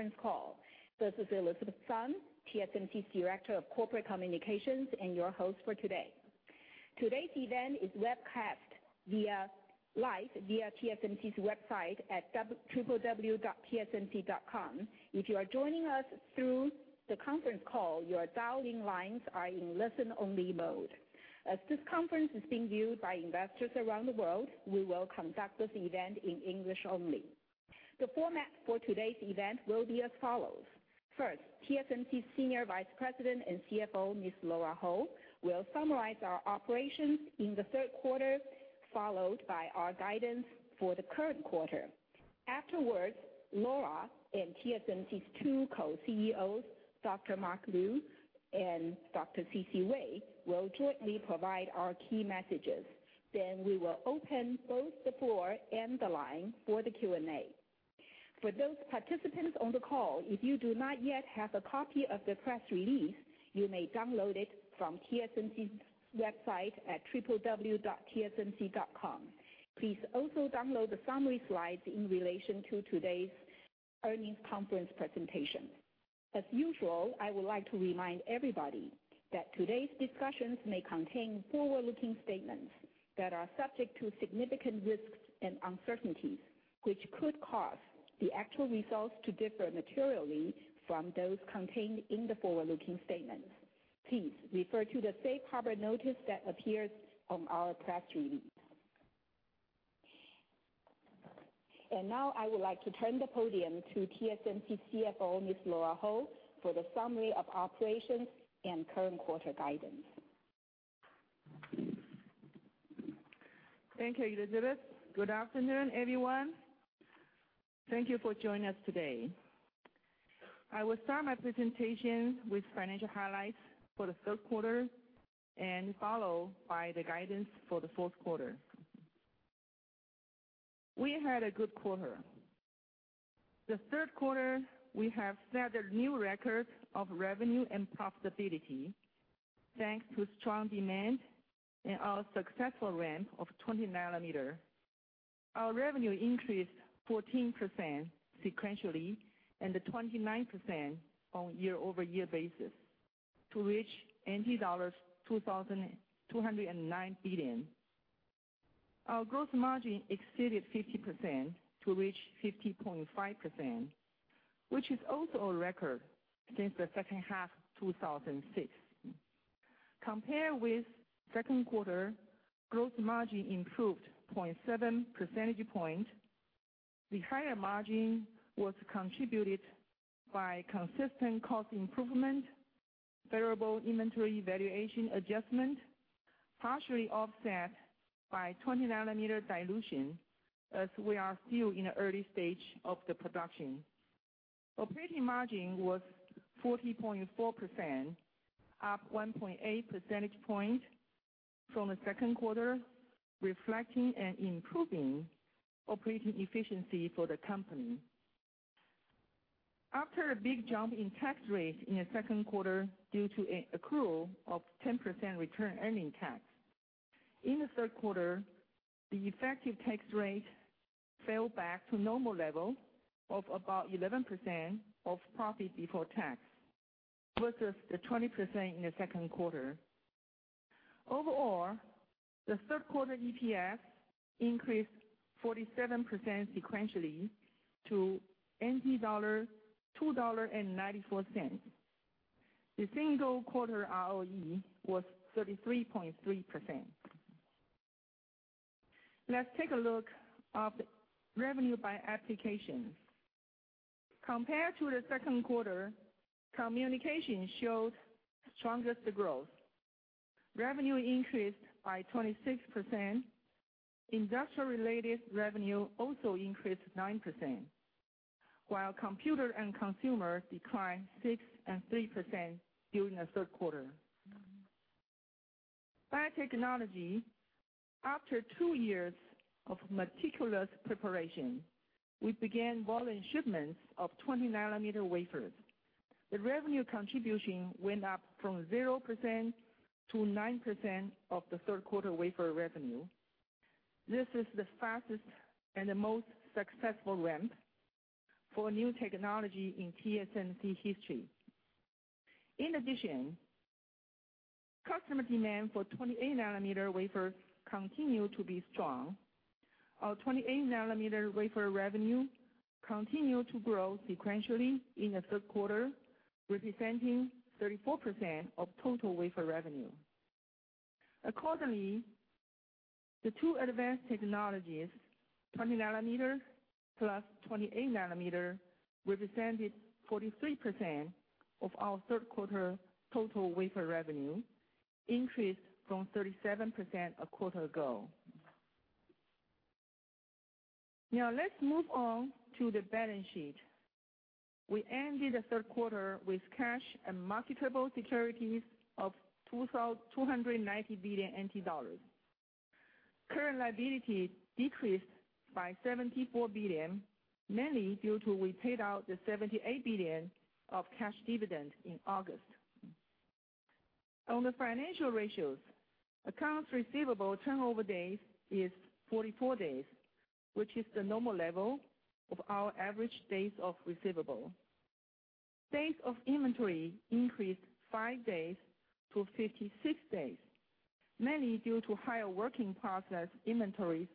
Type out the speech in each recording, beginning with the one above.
Conference call. This is Elizabeth Sun, TSMC's Director of Corporate Communications and your host for today. Today's event is webcast live via tsmc.com. If you are joining us through the conference call, your dial-in lines are in listen-only mode. As this conference is being viewed by investors around the world, we will conduct this event in English only. The format for today's event will be as follows. First, TSMC's Senior Vice President and CFO, Ms. Lora Ho, will summarize our operations in the third quarter, followed by our guidance for the current quarter. Afterwards, Lora and TSMC's two co-CEOs, Dr. Mark Liu and Dr. C.C. Wei, will jointly provide our key messages. We will open both the floor and the line for the Q&A. For those participants on the call, if you do not yet have a copy of the press release, you may download it from TSMC's website at tsmc.com. Please also download the summary slides in relation to today's earnings conference presentation. As usual, I would like to remind everybody that today's discussions may contain forward-looking statements that are subject to significant risks and uncertainties, which could cause the actual results to differ materially from those contained in the forward-looking statements. Please refer to the safe harbor notice that appears on our press release. Now I would like to turn the podium to TSMC CFO, Ms. Lora Ho, for the summary of operations and current quarter guidance. Thank you, Elizabeth. Good afternoon, everyone. Thank you for joining us today. I will start my presentation with financial highlights for the third quarter, followed by the guidance for the fourth quarter. We had a good quarter. This third quarter, we have set a new record of revenue and profitability thanks to strong demand and our successful ramp of 20 nanometer. Our revenue increased 14% sequentially, 29% on year-over-year basis, to reach 209 billion. Our gross margin exceeded 50% to reach 50.5%, which is also a record since the second half of 2006. Compared with second quarter, gross margin improved 0.7 percentage point. The higher margin was contributed by consistent cost improvement, variable inventory valuation adjustment, partially offset by 20 nanometer dilution, as we are still in the early stage of the production. Operating margin was 40.4%, up 1.8 percentage point from the second quarter, reflecting an improving operating efficiency for the company. After a big jump in tax rate in the second quarter due to an accrual of 10% return earning tax, in the third quarter, the effective tax rate fell back to normal level of about 11% of profit before tax versus the 20% in the second quarter. Overall, the third quarter EPS increased 47% sequentially to 2.94 dollar. The single quarter ROE was 33.3%. Let's take a look at revenue by application. Compared to the second quarter, communication showed the strongest growth. Revenue increased by 26%. Industrial-related revenue also increased 9%, while computer and consumer declined 6% and 3% during the third quarter. By technology, after two years of meticulous preparation, we began volume shipments of 20 nanometer wafers. The revenue contribution went up from 0% to 9% of the third quarter wafer revenue. This is the fastest and the most successful ramp for a new technology in TSMC history. In addition, customer demand for 28 nanometer wafers continued to be strong. Our 28 nanometer wafer revenue continued to grow sequentially in the third quarter, representing 34% of total wafer revenue. Accordingly, the two advanced technologies, 20 nanometer plus 28 nanometer, represented 43% of our third quarter total wafer revenue, increased from 37% a quarter ago. Now let's move on to the balance sheet. We ended the third quarter with cash and marketable securities of 290 billion NT dollars. Current liability decreased by 74 billion, mainly due to we paid out the 78 billion of cash dividend in August. On the financial ratios, accounts receivable turnover days is 44 days, which is the normal level of our average days of receivable. Days of inventory increased five days to 56 days, mainly due to higher working process inventories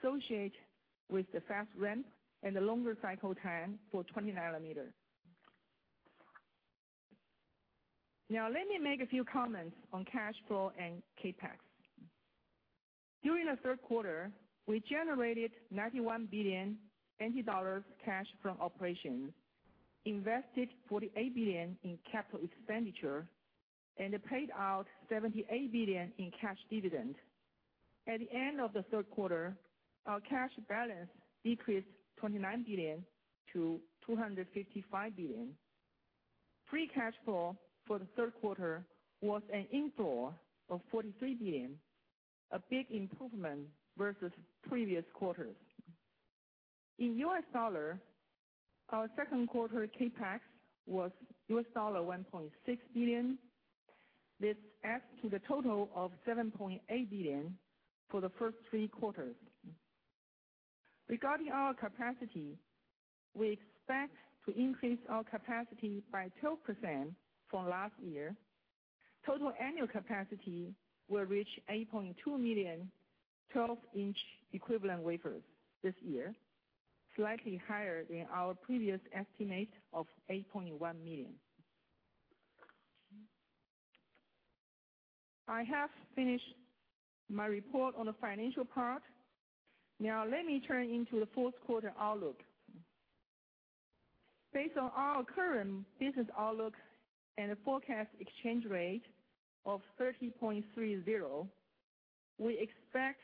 associated with the fast ramp and the longer cycle time for 20 nanometer. Now let me make a few comments on cash flow and CapEx. During the third quarter, we generated 91 billion dollars cash from operations, invested 48 billion in capital expenditure, and paid out 78 billion in cash dividend. At the end of the third quarter, our cash balance decreased 29 billion to 255 billion. Free cash flow for the third quarter was an inflow of 43 billion, a big improvement versus previous quarters. In US dollar, our second quarter CapEx was $1.6 billion. This adds to the total of $7.8 billion for the first three quarters. Regarding our capacity, we expect to increase our capacity by 12% from last year. Total annual capacity will reach 8.2 million 12-inch equivalent wafers this year, slightly higher than our previous estimate of 8.1 million. I have finished my report on the financial part. Now let me turn into the fourth quarter outlook. Based on our current business outlook and the forecast exchange rate of 30.30, we expect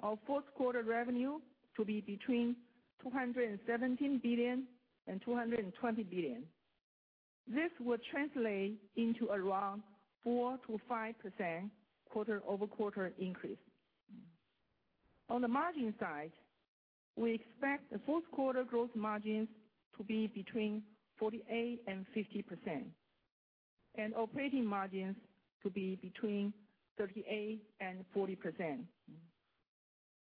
our fourth quarter revenue to be between 217 billion and 220 billion. This will translate into around 4%-5% quarter-over-quarter increase. On the margin side, we expect the fourth quarter growth margins to be between 48%-50%, and operating margins to be between 38%-40%.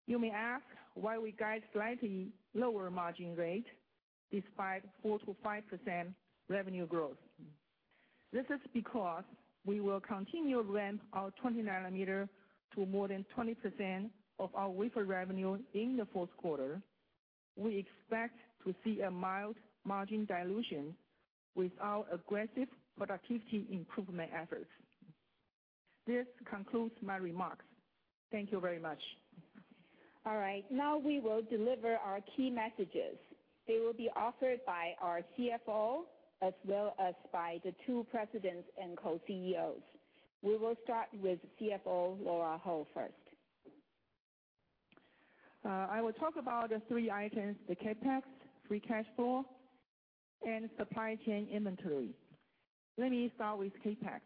You may ask why we guide slightly lower margin rate despite 4%-5% revenue growth. This is because we will continue to ramp our 20 nanometer to more than 20% of our wafer revenue in the fourth quarter. We expect to see a mild margin dilution with our aggressive productivity improvement efforts. This concludes my remarks. Thank you very much. All right. We will deliver our key messages. They will be offered by our CFO as well as by the two presidents and co-CEOs. We will start with CFO, Lora Ho first. I will talk about the three items, the CapEx, free cash flow, and supply chain inventory. Let me start with CapEx.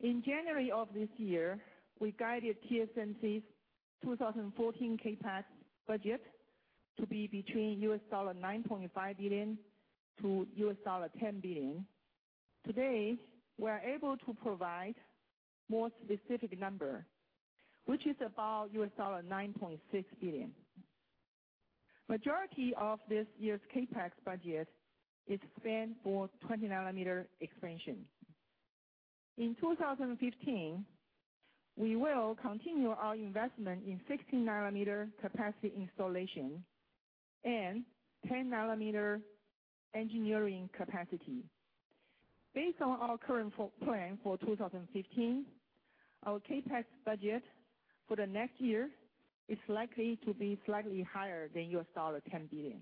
In January of this year, we guided TSMC's 2014 CapEx budget to be between $9.5 billion-$10 billion. Today, we are able to provide more specific number, which is about $9.6 billion. Majority of this year's CapEx budget is spent for 20 nanometer expansion. In 2015, we will continue our investment in 16 nanometer capacity installation and 10 nanometer engineering capacity. Based on our current plan for 2015, our CapEx budget for the next year is likely to be slightly higher than $10 billion.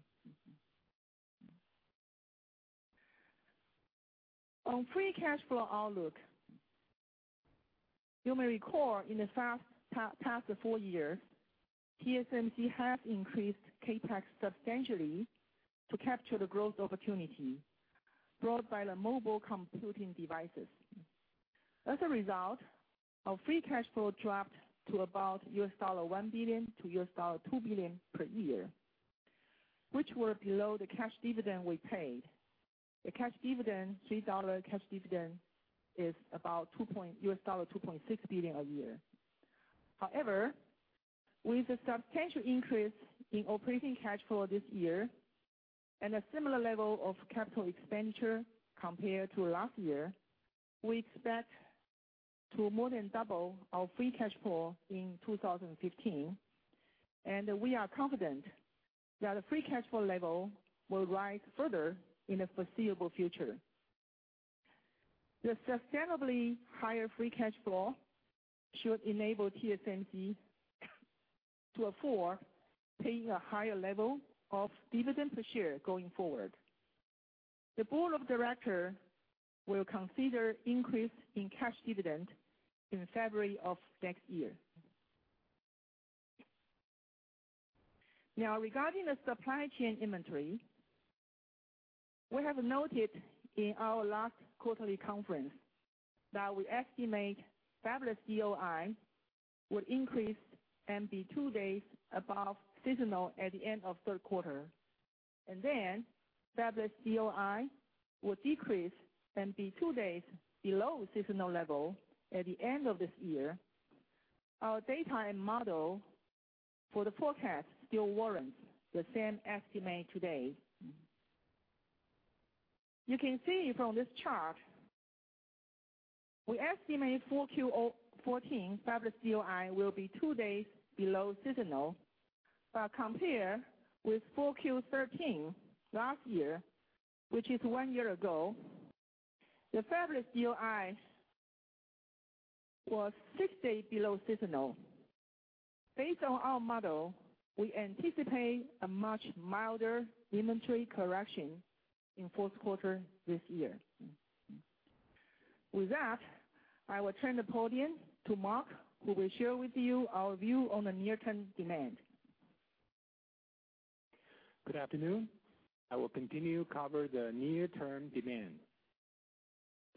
On free cash flow outlook, you may recall in the past four years, TSMC has increased CapEx substantially to capture the growth opportunity brought by the mobile computing devices. Our free cash flow dropped to about $1 billion-$2 billion per year, which were below the cash dividend we paid. The cash dividend, $3 cash dividend is about $2.6 billion a year. With a substantial increase in operating cash flow this year and a similar level of capital expenditure compared to last year, we expect to more than double our free cash flow in 2015, and we are confident that the free cash flow level will rise further in the foreseeable future. The sustainably higher free cash flow should enable TSMC to afford paying a higher level of dividend per share going forward. The board of director will consider increase in cash dividend in February of next year. Regarding the supply chain inventory, we have noted in our last quarterly conference that we estimate fabless DOI will increase and be two days above seasonal at the end of third quarter. Fabric DOI will decrease and be two days below seasonal level at the end of this year. Our data and model for the forecast still warrants the same estimate today. You can see from this chart, we estimate 4Q14 fabric DOI will be two days below seasonal. Compare with 4Q13 last year, which is one year ago, the fabric DOI was 60 below seasonal. Based on our model, we anticipate a much milder inventory correction in fourth quarter this year. With that, I will turn the podium to Mark, who will share with you our view on the near-term demand. Good afternoon. I will continue cover the near-term demand.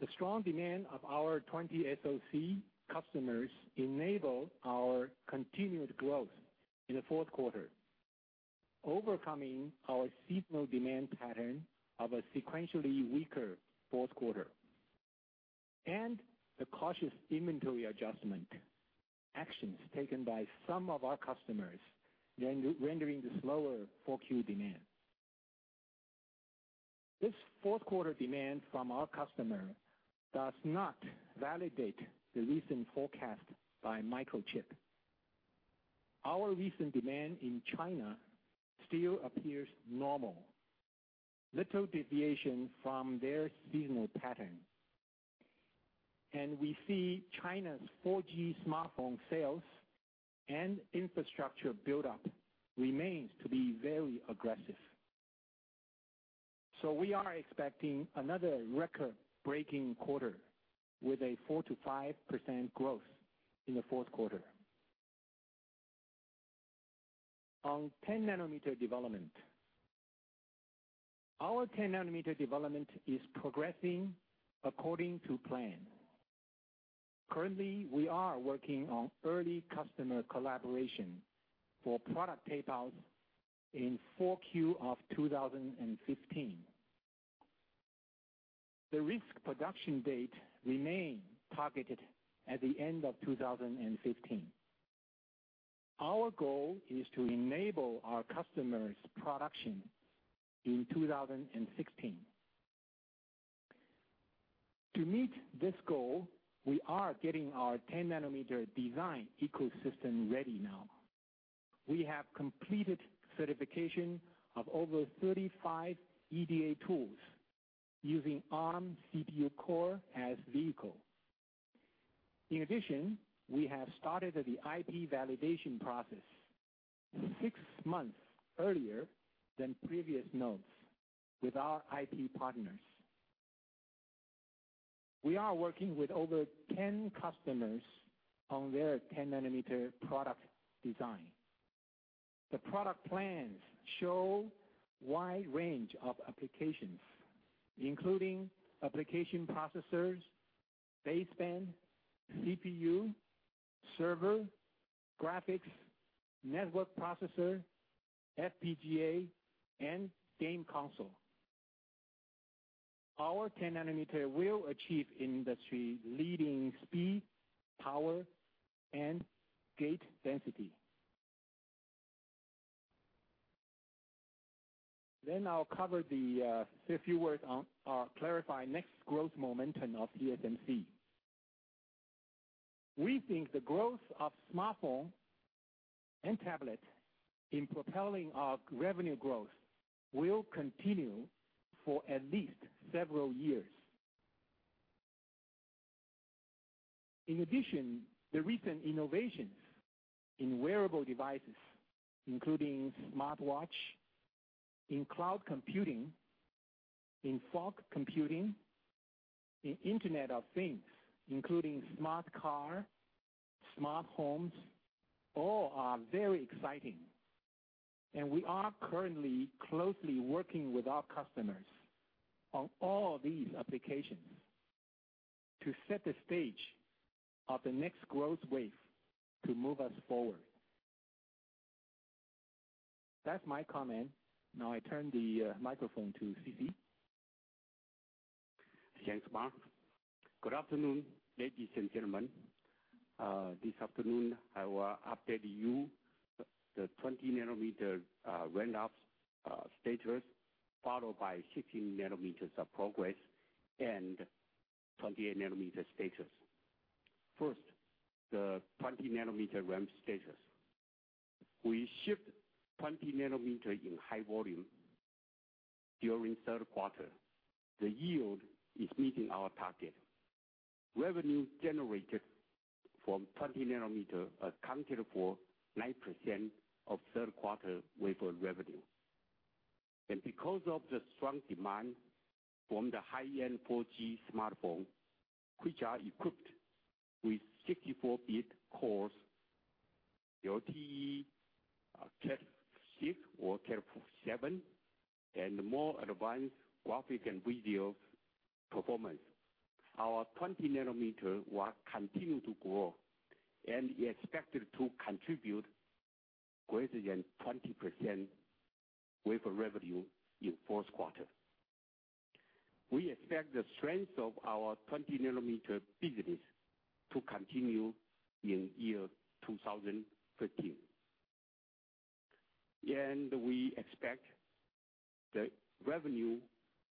The strong demand of our 20SoC customers enable our continued growth in the fourth quarter, overcoming our seasonal demand pattern of a sequentially weaker fourth quarter, and the cautious inventory adjustment actions taken by some of our customers rendering the slower 4Q demand. This fourth quarter demand from our customer does not validate the recent forecast by Microchip. Our recent demand in China still appears normal, little deviation from their seasonal pattern. We see China's 4G smartphone sales and infrastructure buildup remains to be very aggressive. We are expecting another record-breaking quarter with a 4%-5% growth in the fourth quarter. 10 nanometer development. Our 10 nanometer development is progressing according to plan. Currently, we are working on early customer collaboration for product tape-outs in 4Q 2015. The risk production date remains targeted at the end of 2015. Our goal is to enable our customers' production in 2016. To meet this goal, we are getting our 10 nanometer design ecosystem ready now. We have completed certification of over 35 EDA tools using Arm CPU core as vehicle. In addition, we have started the IP validation process six months earlier than previous nodes with our IP partners. We are working with over 10 customers on their 10 nanometer product design. The product plans show wide range of applications, including application processors, baseband, CPU, server, graphics, network processor, FPGA, and game console. Our 10 nanometer will achieve industry-leading speed, power, and gate density. I'll say a few words on our clarify next growth momentum of TSMC. We think the growth of smartphone and tablet in propelling our revenue growth will continue for at least several years. In addition, the recent innovations in wearable devices, including smartwatch, in cloud computing, in fog computing, in Internet of Things, including smart car, smart homes, all are very exciting. We are currently closely working with our customers on all these applications to set the stage of the next growth wave to move us forward. That's my comment. Now I turn the microphone to C.C. Thanks, Mark. Good afternoon, ladies and gentlemen. This afternoon, I will update you the 20 nanometer ramp status, followed by 16 nanometers of progress and 28 nanometer status. First, the 20 nanometer ramp status. We shipped 20 nanometer in high volume during third quarter. The yield is meeting our target. Revenue generated from 20 nanometer accounted for 9% of third quarter wafer revenue. Because of the strong demand from the high-end 4G smartphone, which are equipped with 64-bit cores, the LTE Cat6 or Cat7, and more advanced graphic and video performance, our 20 nanometer will continue to grow and is expected to contribute greater than 20% wafer revenue in the fourth quarter. We expect the strength of our 20 nanometer business to continue in 2015. We expect the revenue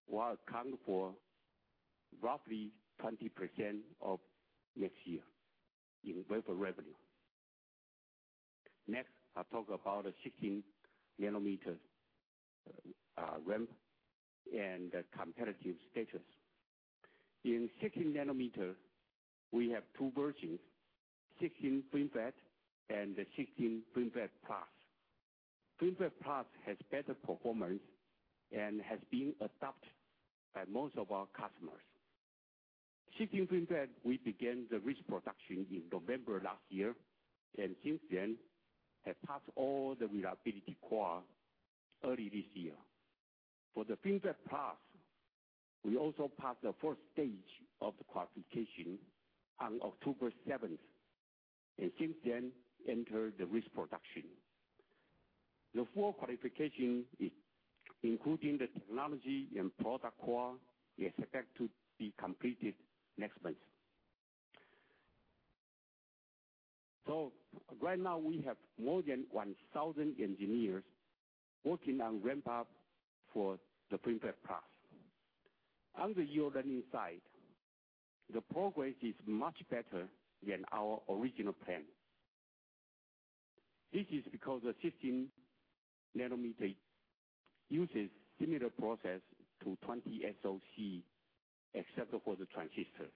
will account for roughly 20% of next year in wafer revenue. I'll talk about the 16 nanometer ramp and the competitive status. In 16 nanometer, we have two versions, 16 FinFET and the 16 FinFET Plus. FinFET Plus has better performance and has been adopted by most of our customers. 16 FinFET, we began the risk production in November last year, and since then, have passed all the reliability qual early this year. For the FinFET Plus, we also passed the first stage of the qualification on October 7th, and since then, entered the risk production. The full qualification, including the technology and product qual, is expected to be completed next month. Right now, we have more than 1,000 engineers working on ramp-up for the FinFET Plus. On the yield learning side, the progress is much better than our original plan. This is because the 16 nanometer uses a similar process to 20SoC, except for the transistor.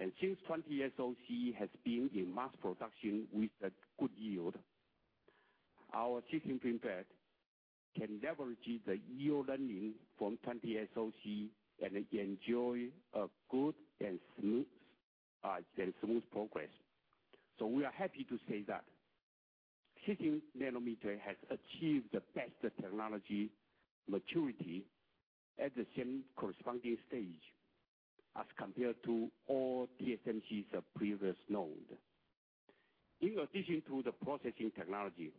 Since 20SoC has been in mass production with a good yield, our 16 FinFET can leverage the yield learning from 20SoC and enjoy a good and smooth progress. We are happy to say that 16 nanometer has achieved the best technology maturity at the same corresponding stage as compared to all TSMC's previous nodes. In addition to the processing technology,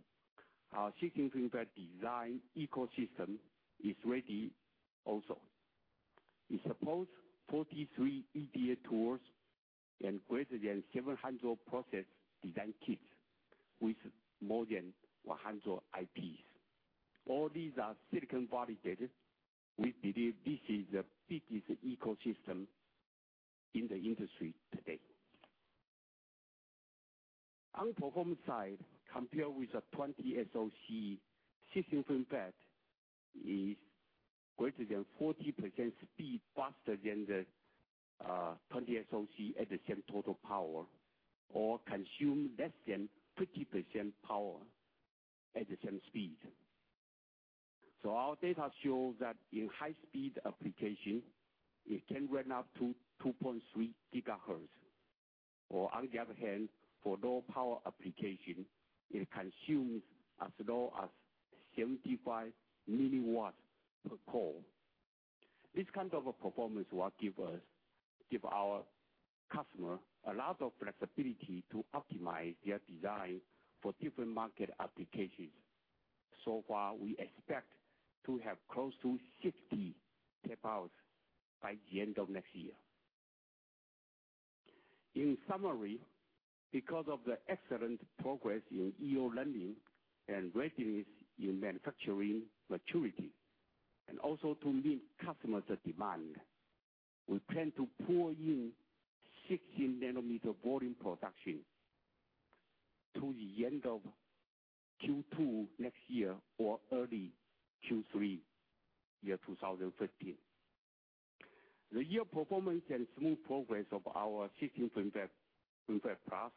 our 16 FinFET design ecosystem is ready also. It supports 43 EDA tools and greater than 700 process design kits with more than 100 IPs. All these are silicon-validated. We believe this is the biggest ecosystem in the industry today. On the performance side, compared with the 20SoC, 16 FinFET is greater than 40% speed faster than the 20SoC at the same total power or consume less than 50% power at the same speed. Our data shows that in high-speed application, it can run up to 2.3 gigahertz. Or on the other hand, for low power application, it consumes as low as 75 milliwatts per core. This kind of performance will give our customer a lot of flexibility to optimize their design for different market applications. Far, we expect to have close to 60 tape-outs by the end of next year. In summary, because of the excellent progress in yield learning and readiness in manufacturing maturity, and also to meet customers' demand, we plan to pull in 16 nanometer volume production to the end of Q2 next year or early Q3, year 2015. The yield performance and smooth progress of our 16 FinFET Plus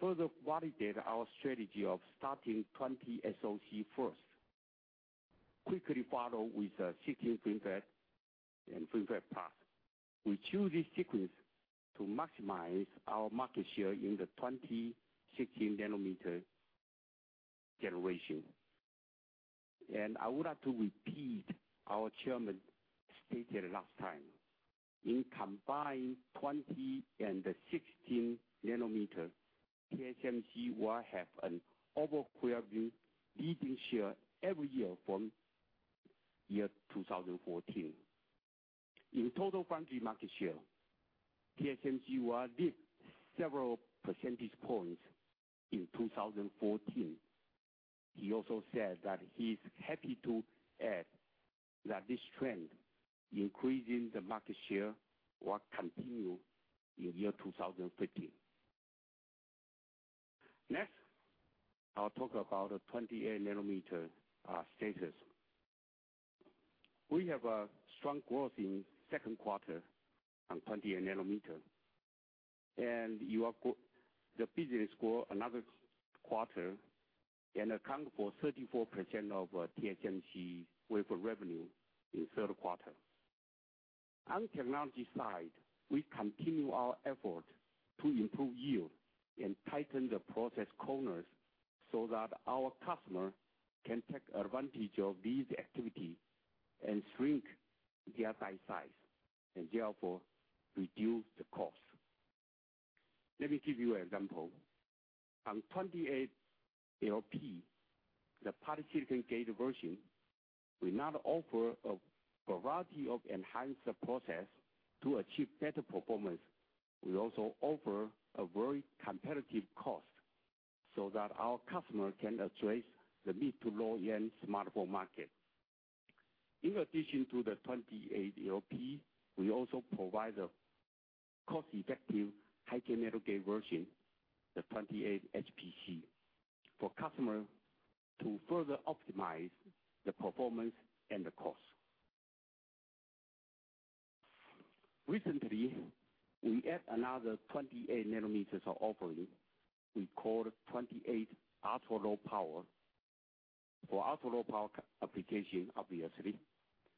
further validate our strategy of starting 20SoC first, quickly followed with the 16 FinFET and FinFET Plus. We choose this sequence to maximize our market share in the 2016 nanometer generation. I would like to repeat what our chairman stated last time. In combined 20 and the 16 nanometer, TSMC will have an overwhelming leading share every year from year 2014. In total foundry market share, TSMC will lift several percentage points in 2014. He also said that he's happy to add that this trend, increasing the market share, will continue in the year 2015. I'll talk about the 28 nanometer status. We have a strong growth in the second quarter on 28 nanometer. The business grew another quarter and account for 34% of TSMC wafer revenue in the third quarter. On the technology side, we continue our effort to improve yield and tighten the process corners. So that our customer can take advantage of these activities and shrink their die size, and therefore reduce the cost. Let me give you an example. On 28 LP, the polysilicon gate version, we not only offer a variety of enhanced processes to achieve better performance, we also offer a very competitive cost so that our customer can address the mid-to-low-end smartphone market. In addition to the 28 LP, we also provide a cost-effective High-K Metal Gate version, the 28 HPC, for customers to further optimize the performance and the cost. Recently, we added another 28 nanometer offering we call 28 ultra-low power for ultra-low power applications, obviously.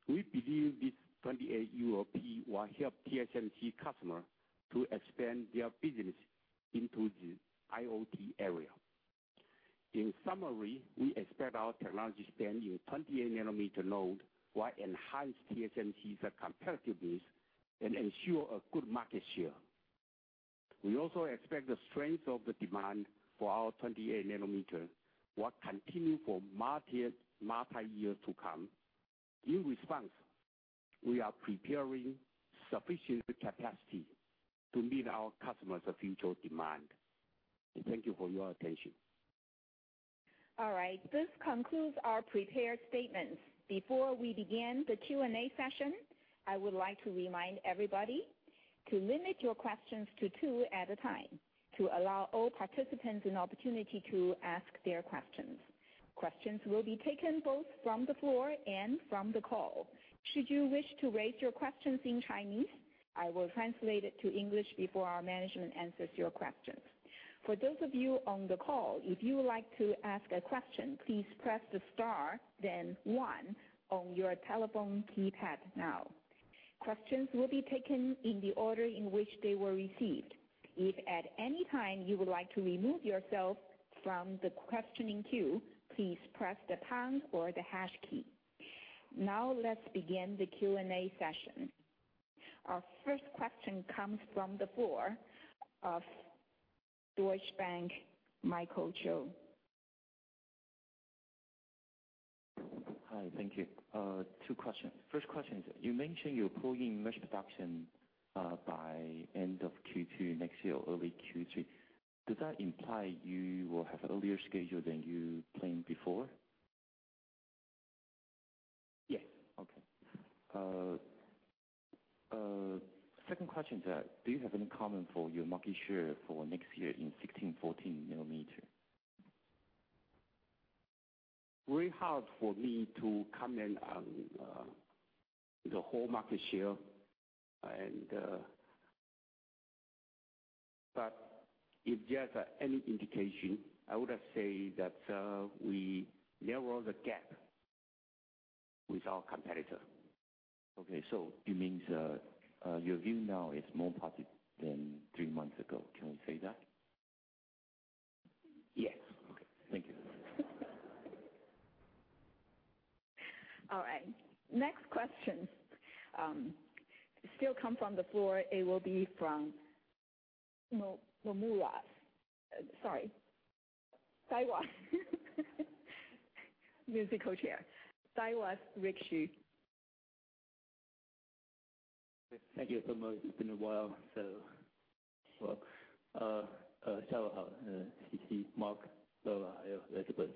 We believe this 28 ULP will help TSMC customers to expand their business into the IoT area. In summary, we expect our technology spend in 28 nanometer node will enhance TSMC's competitiveness and ensure a good market share. We also expect the strength of the demand for our 28 nanometer will continue for multiple years to come. In response, we are preparing sufficient capacity to meet our customers' future demand. Thank you for your attention. All right. This concludes our prepared statements. Before we begin the Q&A session, I would like to remind everybody to limit your questions to two at a time to allow all participants an opportunity to ask their questions. Questions will be taken both from the floor and from the call. Should you wish to raise your questions in Chinese, I will translate it to English before our management answers your questions. For those of you on the call, if you would like to ask a question, please press the star, then one on your telephone keypad now. Questions will be taken in the order in which they were received. If at any time you would like to remove yourself from the questioning queue, please press the pound or the hash key. Now let's begin the Q&A session. Our first question comes from the floor of Deutsche Bank, Michael Chou. Hi. Thank you. Two questions. First question is, you mentioned you're pulling mass production by end of Q2 next year, early Q3. Does that imply you will have an earlier schedule than you planned before? Yes. Okay. Second question is, do you have any comment for your market share for next year in 16, 14 nanometer? Very hard for me to comment on the whole market share. If there's any indication, I would say that we narrow the gap with our competitor. Okay. It means your view now is more positive than three months ago. Can we say that? Yes. Okay. Thank you. All right. Next question still comes from the floor. It will be from Nomura. Sorry, Daiwa. Losing co-chair. Daiwa's Rick Hsu. Thank you so much. It's been a while, so hello. Hello, C.C., Mark. Hello. Hi, Elizabeth.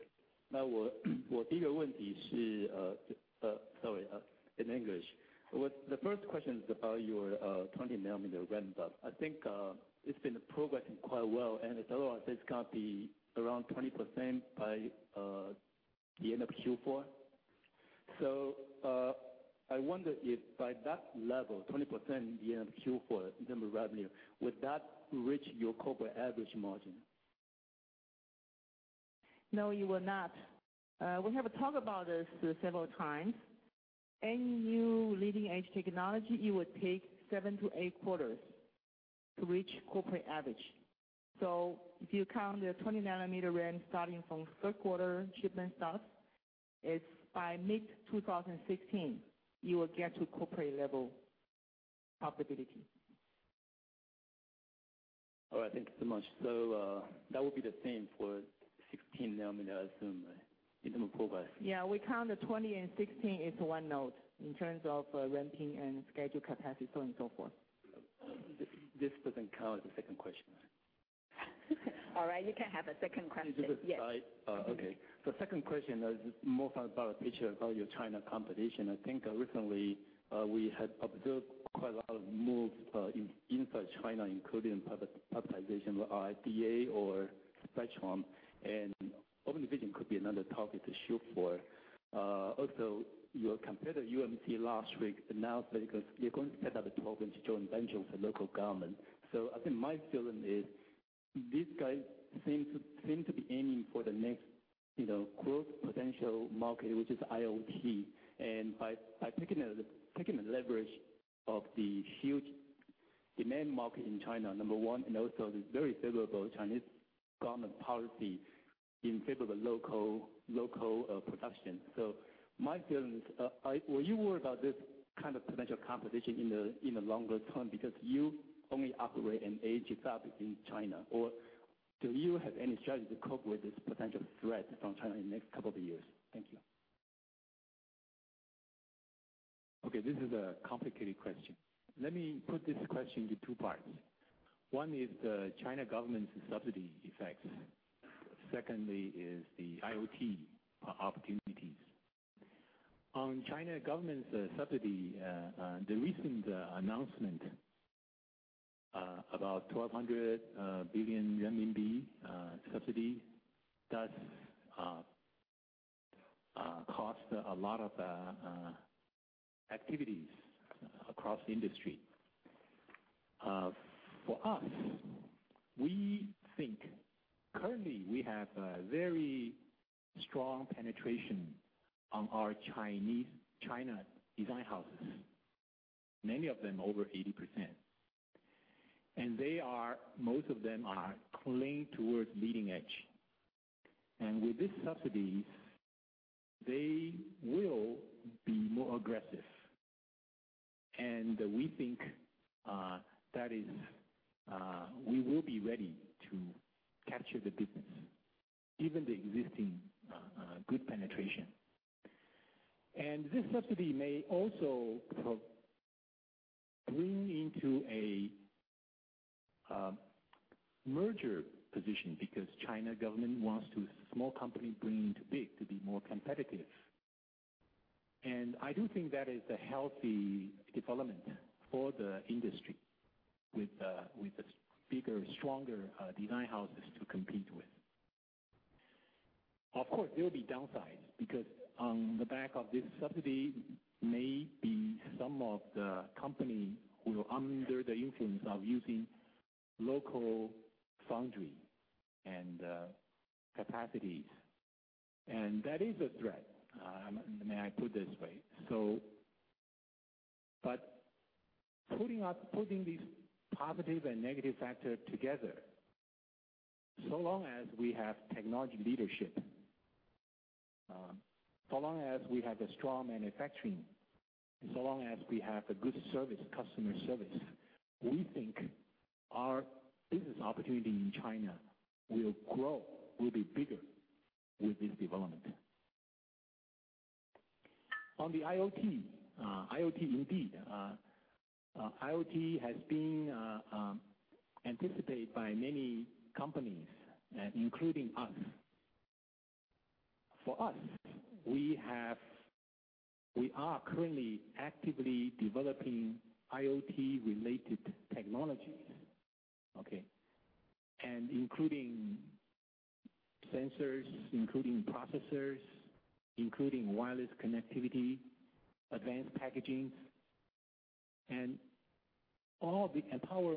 Sorry, in English. The first question is about your 20 nanometer ramp-up. I think it's been progressing quite well, and I thought it's going to be around 20% by the end of Q4. I wonder if by that level, 20% at the end of Q4 in terms of revenue, would that reach your corporate average margin? No, it will not. We have talked about this several times. Any new leading-edge technology, it would take seven to eight quarters to reach corporate average. If you count the 20 nanometer ramp starting from third quarter shipment start, it's by mid-2016 you will get to corporate level profitability. All right. Thank you so much. That will be the same for 16 nanometer, I assume, in term of progress. Yeah. We count the 20 and 16 as one node in terms of ramping and schedule capacity, so on and so forth. This doesn't count as a second question? All right, you can have a second question. Yes. Okay. Second question is more about a picture about your China competition. I think recently we had observed quite a lot of moves inside China, including privatization of RDA or Spreadtrum, and OmniVision could be another target to shoot for. Also, your competitor, UMC, last week announced that you're going to set up a Xiamen joint venture with the local government. My feeling is these guys seem to be aiming for the next growth potential market, which is IoT. And by taking the leverage of the huge Demand market in China, number 1, and also the very favorable Chinese government policy in favor of local production. My feeling is, are you worried about this kind of potential competition in the longer term because you only operate in H fab in China? Do you have any strategy to cope with this potential threat from China in next couple of years? Thank you. This is a complicated question. Let me put this question into two parts. One is the China government's subsidy effects. Secondly is the IoT opportunities. On China government's subsidy, the recent announcement about CNY 1,200 billion subsidy does cost a lot of activities across the industry. For us, we think currently we have a very strong penetration on our China design houses, many of them over 80%. Most of them are clinging towards leading edge. With this subsidy, they will be more aggressive. We think we will be ready to capture the business, given the existing good penetration. This subsidy may also bring into a merger position because China government wants to small company bring into big to be more competitive. I do think that is a healthy development for the industry with the bigger, stronger design houses to compete with. There will be downsides because on the back of this subsidy, maybe some of the company will, under the influence of using local foundry and capacities, and that is a threat. May I put it this way. Putting these positive and negative factor together, so long as we have technology leadership, so long as we have a strong manufacturing, so long as we have a good customer service, we think our business opportunity in China will grow, will be bigger with this development. On the IoT, indeed. IoT has been anticipated by many companies, including us. For us, we are currently actively developing IoT-related technologies, okay? Including sensors, including processors, including wireless connectivity, advanced packaging, and power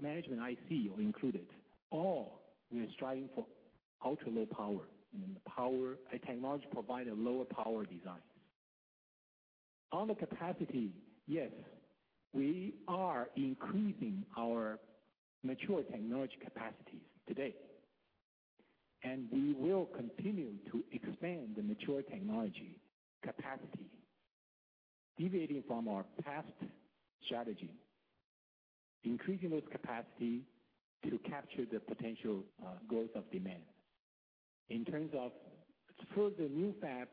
management IC are included. All we are striving for ultra-low power and the power. A technology provide a lower power design. On the capacity, yes, we are increasing our mature technology capacities today. We will continue to expand the mature technology capacity, deviating from our past strategy, increasing those capacity to capture the potential growth of demand. In terms of further new fab,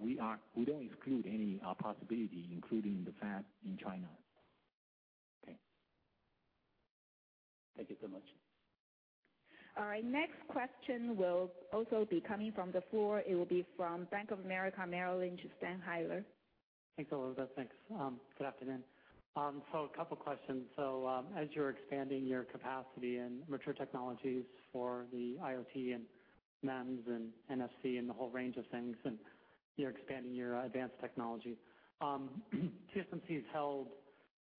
we don't exclude any possibility, including the fab in China. Okay. Thank you so much. Right. Next question will also be coming from the floor. It will be from Bank of America, Merrill Lynch, Dan Heyler. Thanks, Elizabeth. Thanks. Good afternoon. A couple questions. As you're expanding your capacity in mature technologies for the IoT and MEMS and NFC and the whole range of things, you're expanding your advanced technology. TSMC's held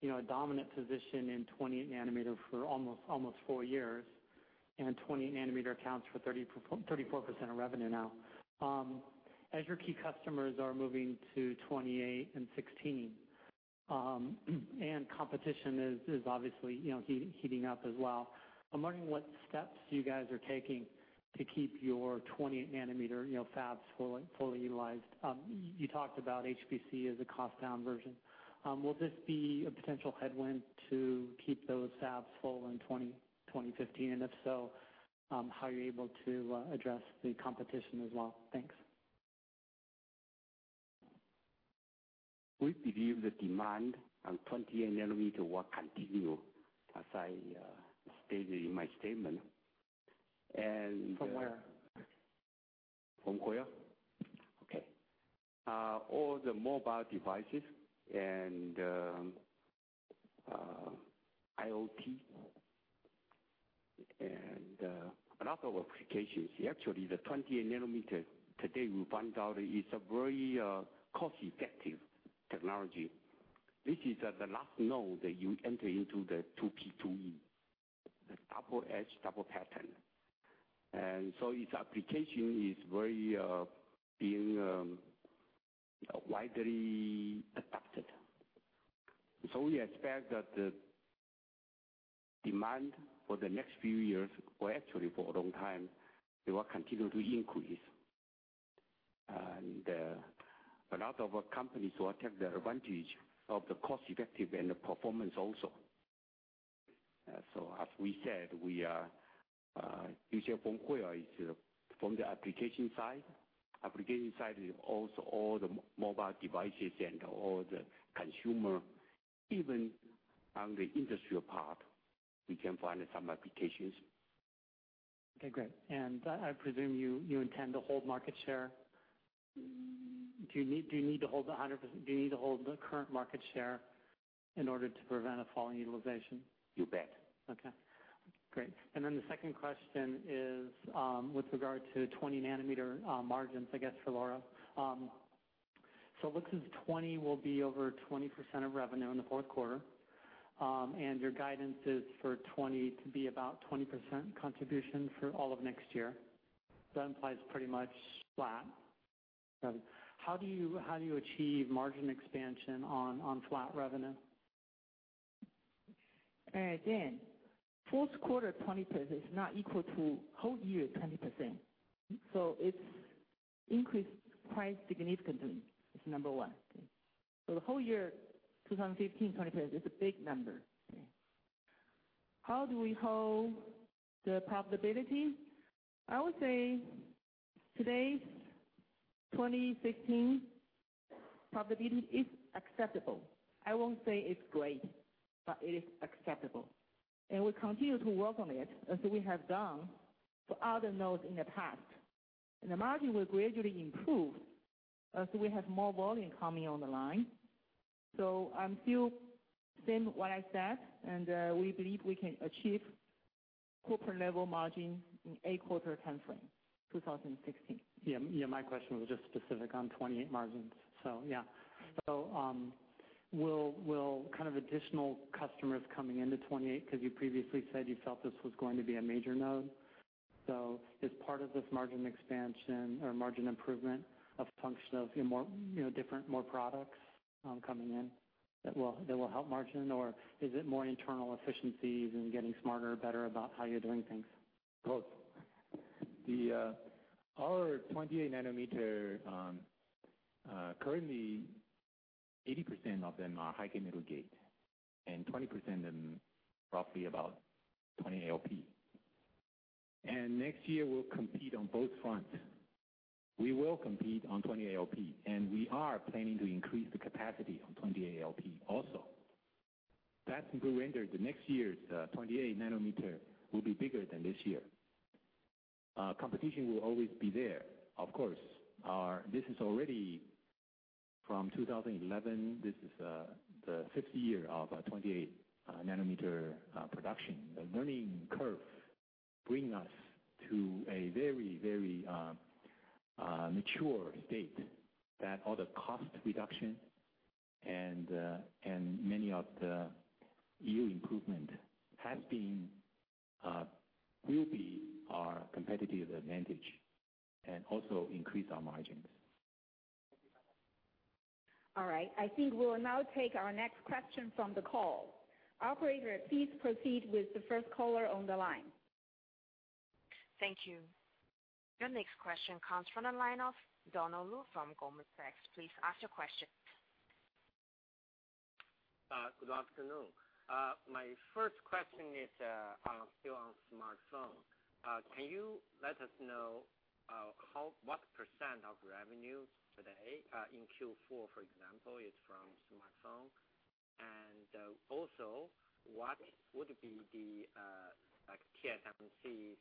a dominant position in 28 nanometer for almost four years, 20 nanometer accounts for 34% of revenue now. As your key customers are moving to 28 and 16, competition is obviously heating up as well. I'm wondering what steps you guys are taking to keep your 28 nanometer fabs fully utilized. You talked about HPC as a cost-down version. Will this be a potential headwind to keep those fabs full in 2015? If so, how are you able to address the competition as well? Thanks. We believe the demand on 28 nanometer will continue, as I stated in my statement. From where? From where? Okay. All the mobile devices and IoT and a lot of applications. Actually, the 28 nanometer today we find out is a very cost-effective technology. This is the last node that you enter into the Double patterning. Its application is being widely adapted. We expect that the demand for the next few years, or actually for a long time, they will continue to increase. A lot of our companies will take the advantage of the cost-effective and the performance also. As we said, future from where is from the application side. Application side is also all the mobile devices and all the consumer. Even on the industrial part, we can find some applications. Okay, great. I presume you intend to hold market share. Do you need to hold the current market share in order to prevent a falling utilization? You bet. The second question is with regard to 20 nanometer margins, I guess, for Lora. It looks as though 20 will be over 20% of revenue in the fourth quarter, and your guidance is for 20 to be about 20% contribution for all of next year. That implies pretty much flat revenue. How do you achieve margin expansion on flat revenue? Dan, fourth quarter 20% is not equal to whole year 100%. It's increased price significantly, is number one. The whole year 2015, 20% is a big number. How do we hold the profitability? I would say today, 2016 profitability is acceptable. I won't say it's great, but it is acceptable, and we continue to work on it as we have done for other nodes in the past. The margin will gradually improve as we have more volume coming on the line. I'm still saying what I said, and we believe we can achieve corporate level margin in a quarter time frame, 2016. Yeah. My question was just specific on '28 margins. Yeah. Will additional customers coming into '28, because you previously said you felt this was going to be a major node. Is part of this margin expansion or margin improvement a function of more different products coming in that will help margin, or is it more internal efficiencies and getting smarter, better about how you're doing things? Both. Our 28 nanometer, currently 80% of them are High-K Metal Gate, and 20% of them roughly about 28 LP. Next year, we'll compete on both fronts. We will compete on 28 LP, and we are planning to increase the capacity on 28 LP also. That will render the next year's 28 nanometer will be bigger than this year. Competition will always be there, of course. This is already from 2011. This is the fifth year of our 28 nanometer production. The learning curve bring us to a very mature state that all the cost reduction and many of the yield improvement will be our competitive advantage, and also increase our margins. All right. I think we'll now take our next question from the call. Operator, please proceed with the first caller on the line. Thank you. Your next question comes from the line of Donald Lu from Goldman Sachs. Please ask your question. Good afternoon. My first question is still on smartphone. Can you let us know what % of revenue today in Q4, for example, is from smartphone? Also, what would be the TSMC's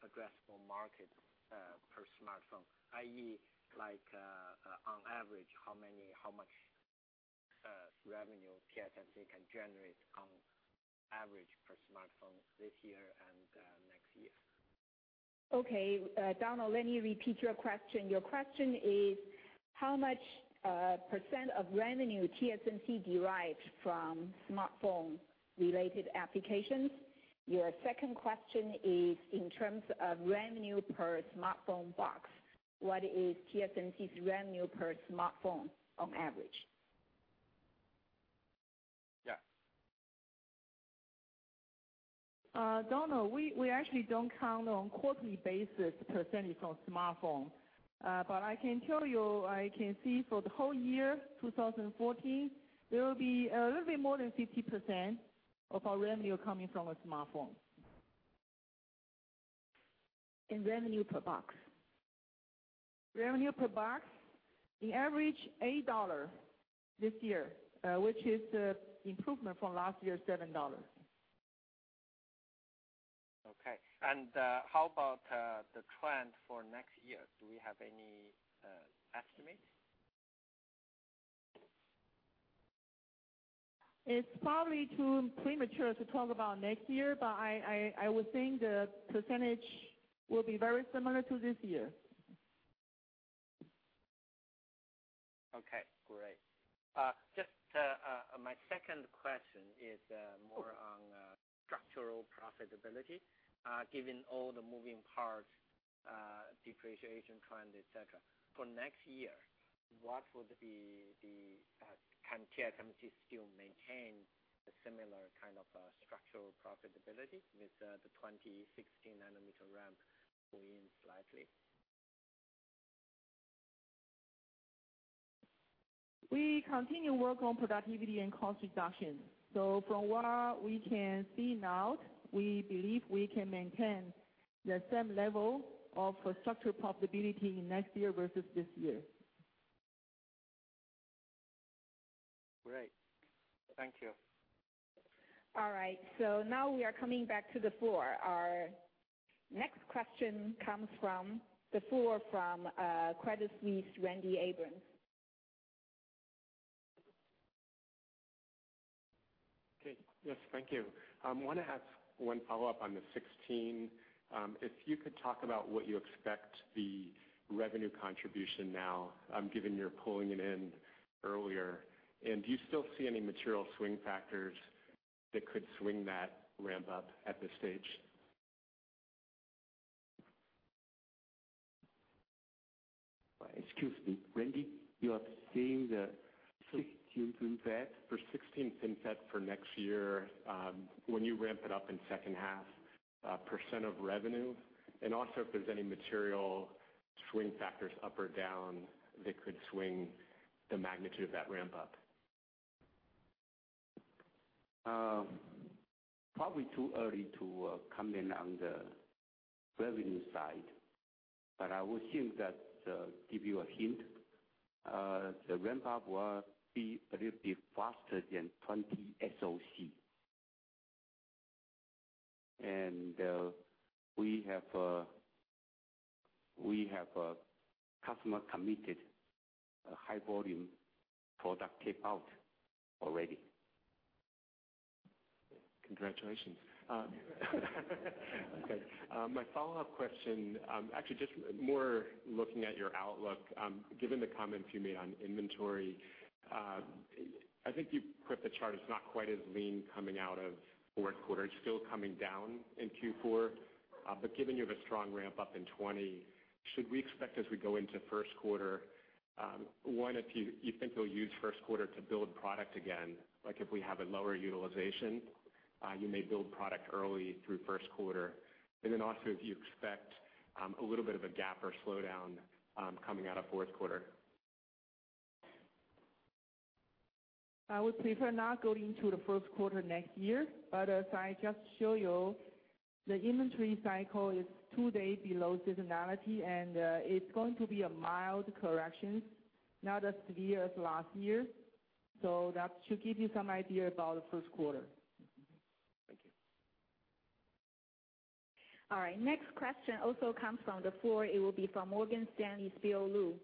addressable market per smartphone, i.e. on average, how much revenue TSMC can generate on average per smartphone this year and next year? Okay. Donald Lu, let me repeat your question. Your question is how much % of revenue TSMC derives from smartphone-related applications. Your second question is, in terms of revenue per smartphone box, what is TSMC's revenue per smartphone on average? Yeah. Donald Lu, we actually don't count on quarterly basis % of smartphone. I can tell you, I can see for the whole year 2014, there will be a little bit more than 50% of our revenue coming from a smartphone. Revenue per box? Revenue per box, the average $8 this year, which is the improvement from last year's $7. Okay. How about the trend for next year? Do we have any estimates? It's probably too premature to talk about next year, but I would think the percentage will be very similar to this year. My second question is more on structural profitability. Given all the moving parts, depreciation trend, et cetera, for next year, can TSMC still maintain a similar kind of structural profitability with the 16 nanometer ramp pulling slightly? We continue work on productivity and cost reduction. From what we can see now, we believe we can maintain the same level of structural profitability next year versus this year. Great. Thank you. Now we are coming back to the floor. Our next question comes from the floor from Credit Suisse, Randy Abrams. Okay. Yes, thank you. I want to ask one follow-up on the 16. If you could talk about what you expect the revenue contribution now, given you're pulling it in earlier, and do you still see any material swing factors that could swing that ramp up at this stage? Excuse me, Randy, you are saying the 16 FinFET? For 16 FinFET for next year, when you ramp it up in second half, % of revenue, and also if there's any material swing factors up or down that could swing the magnitude of that ramp up. Probably too early to comment on the revenue side. I would think that, give you a hint, the ramp-up will be a little bit faster than 20SoC. We have a customer committed a high volume product tape out already. Congratulations. Okay. My follow-up question, actually just more looking at your outlook. Given the comments you made on inventory, I think you put the chart as not quite as lean coming out of fourth quarter. It's still coming down in Q4. Given you have a strong ramp-up in 2020, should we expect as we go into first quarter, one, if you think you'll use first quarter to build product again? Like if we have a lower utilization, you may build product early through first quarter. Also, if you expect a little bit of a gap or slowdown coming out of fourth quarter. I would prefer not going into the first quarter next year. As I just show you, the inventory cycle is two days below seasonality, it's going to be a mild correction, not as severe as last year. That should give you some idea about the first quarter. Thank you. All right. Next question also comes from the floor. It will be from Morgan Stanley's Bill Lu.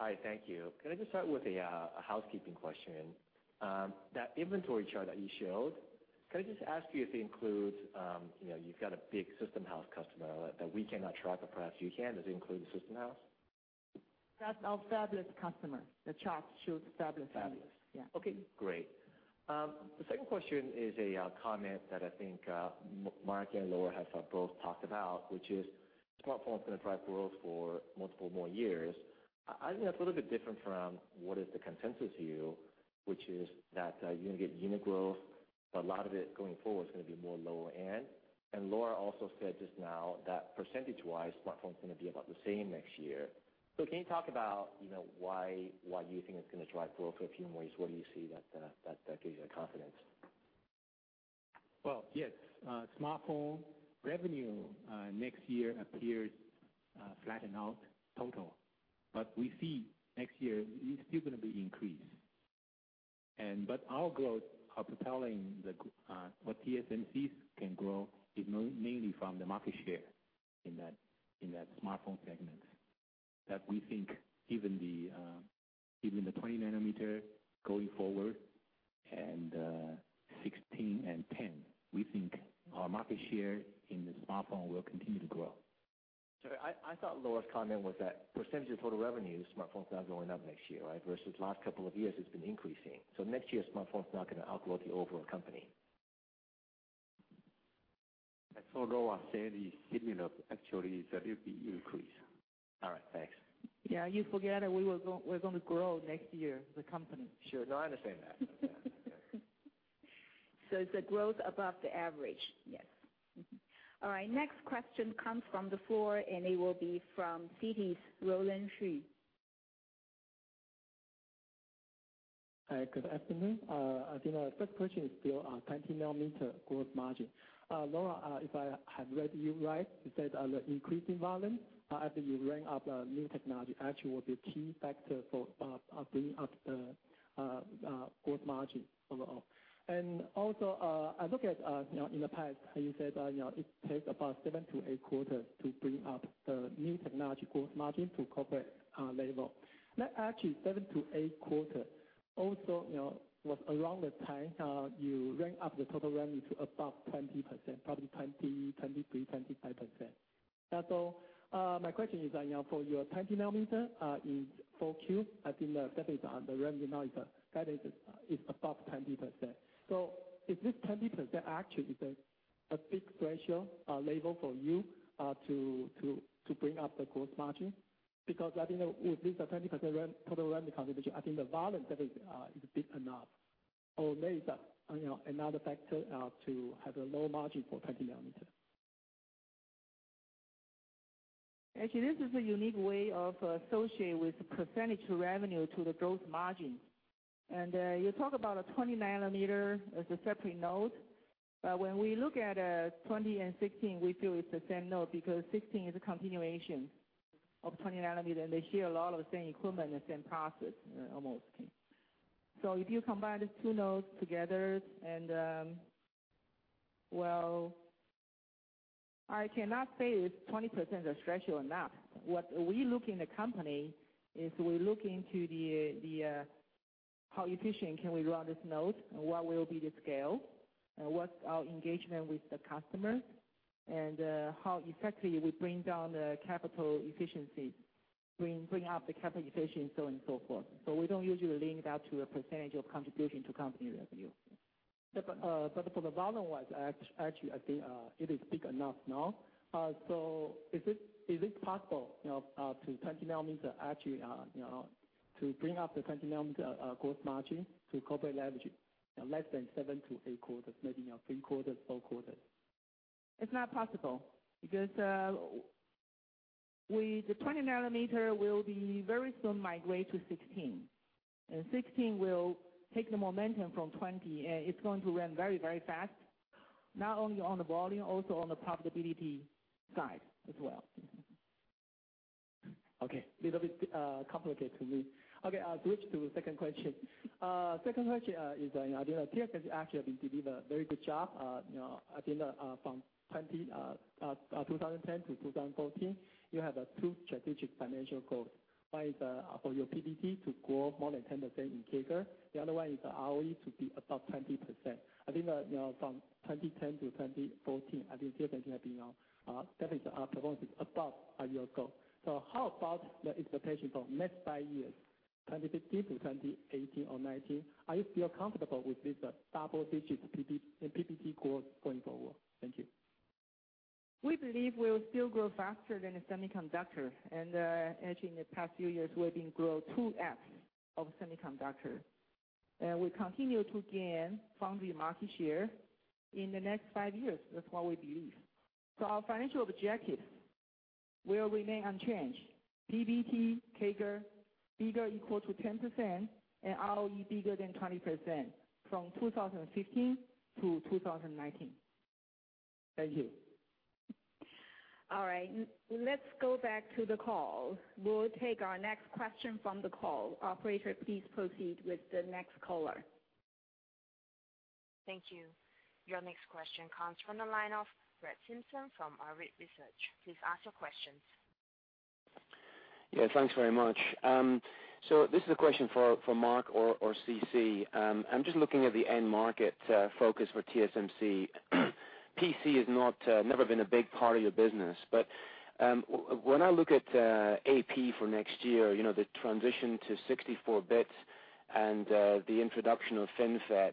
Hi. Thank you. Can I just start with a housekeeping question? That inventory chart that you showed, can I just ask you if it includes, you've got a big system house customer that we cannot track, but perhaps you can. Does it include the system house? That's our fabless customer. The chart shows fabless. Fabless. Yeah. Okay, great. The second question is a comment that I think Mark and Lora have both talked about, which is smartphone is going to drive growth for multiple more years. I think that's a little bit different from what is the consensus view, which is that you're going to get unit growth, but a lot of it going forward is going to be more lower end. Lora also said just now that percentage-wise, smartphone is going to be about the same next year. Can you talk about why you think it's going to drive growth a few more years? What do you see that gives you that confidence? Well, yes. Smartphone revenue next year appears flattened out total. We see next year is still going to be an increase. Our growth are propelling what TSMC can grow is mainly from the market share in that smartphone segment. That we think even the 20 nanometer going forward, and 16 and 10, we think our market share in the smartphone will continue to grow. Sorry, I thought Lora's comment was that percentage of total revenue, smartphone is not going up next year, right? Versus last couple of years, it's been increasing. Next year, smartphone is not going to outgrow the overall company. I thought Lora said is giving up actually is that it'll be an increase. All right. Thanks. Yeah, you forget that we're going to grow next year, the company. Sure. No, I understand that. It's a growth above the average. Yes. All right. Next question comes from the floor. It will be from Citi's Roland Shu. Hi, good afternoon. I think my first question is still 20 nanometer gross margin. Lora, if I have read you right, you said the increasing volume after you ramp up new technology actually will be a key factor for bringing up the gross margin overall. Also, I look at in the past, you said it takes about seven to eight quarters to bring up the new technology gross margin to corporate level. Actually, seven to eight quarters also was around the time you ramp up the total revenue to above 20%, probably 20%, 23%, 25%. My question is, for your 20 nanometer, in 4Q, I think that is on the revenue now, that is above 20%. Is this 20% actually a big threshold level for you to bring up the gross margin? I think with this, the 20% total revenue contribution, I think the volume is big enough. Maybe there's another factor to have a low margin for 20 nanometer. Actually, this is a unique way of associating with the percentage revenue to the gross margin. You talk about a 20 nanometer as a separate node. When we look at 20 and 16, we feel it's the same node because 16 is a continuation of 20 nanometer, and they share a lot of the same equipment and same process, almost. If you combine the two nodes together and, well, I cannot say if 20% is threshold or not. What we look in the company is we look into how efficient can we run this node and what will be the scale, and what's our engagement with the customer, and how effectively we bring down the capital efficiency, bring up the capital efficiency, so on and so forth. We don't usually link that to a percentage of contribution to company revenue. Yeah. For the volume-wise, actually, I think it is big enough now. Is it possible to 20 nanometer, actually, to bring up the 20 nanometer gross margin to corporate level less than seven to eight quarters, maybe three quarters, four quarters? It's not possible because the 20 nanometer will be very soon migrate to 16. 16 will take the momentum from 20. It's going to run very fast, not only on the volume, also on the profitability side as well. Okay. Little bit complicated to me. Okay, I'll switch to second question. Second question is, I think TSMC actually delivered a very good job. I think from 2010 to 2014, you have two strategic financial goals. One is for your PBT to grow more than 10% in CAGR. The other one is the ROE to be above 20%. I think from 2010 to 2014, I think TSMC has been out. That is outperforming above your goal. How about the expectation for next five years, 2015 to 2018 or 2019? Are you still comfortable with this double digits in PBT growth going forward? Thank you. We believe we'll still grow faster than the semiconductor, and actually, in the past few years, we've been growing 2x of semiconductor. We continue to gain from the market share in the next five years. That's what we believe. Our financial objective will remain unchanged. PBT CAGR bigger equal to 10% and ROE bigger than 20% from 2015 to 2019. Thank you. All right. Let's go back to the call. We'll take our next question from the call. Operator, please proceed with the next caller. Thank you. Your next question comes from the line of Brett Simpson from Arete Research. Please ask your questions. Yes. Thanks very much. This is a question for Mark or CC. I'm just looking at the end market focus for TSMC. PC has never been a big part of your business. When I look at AP for next year, the transition to 64-bit and the introduction of FinFET,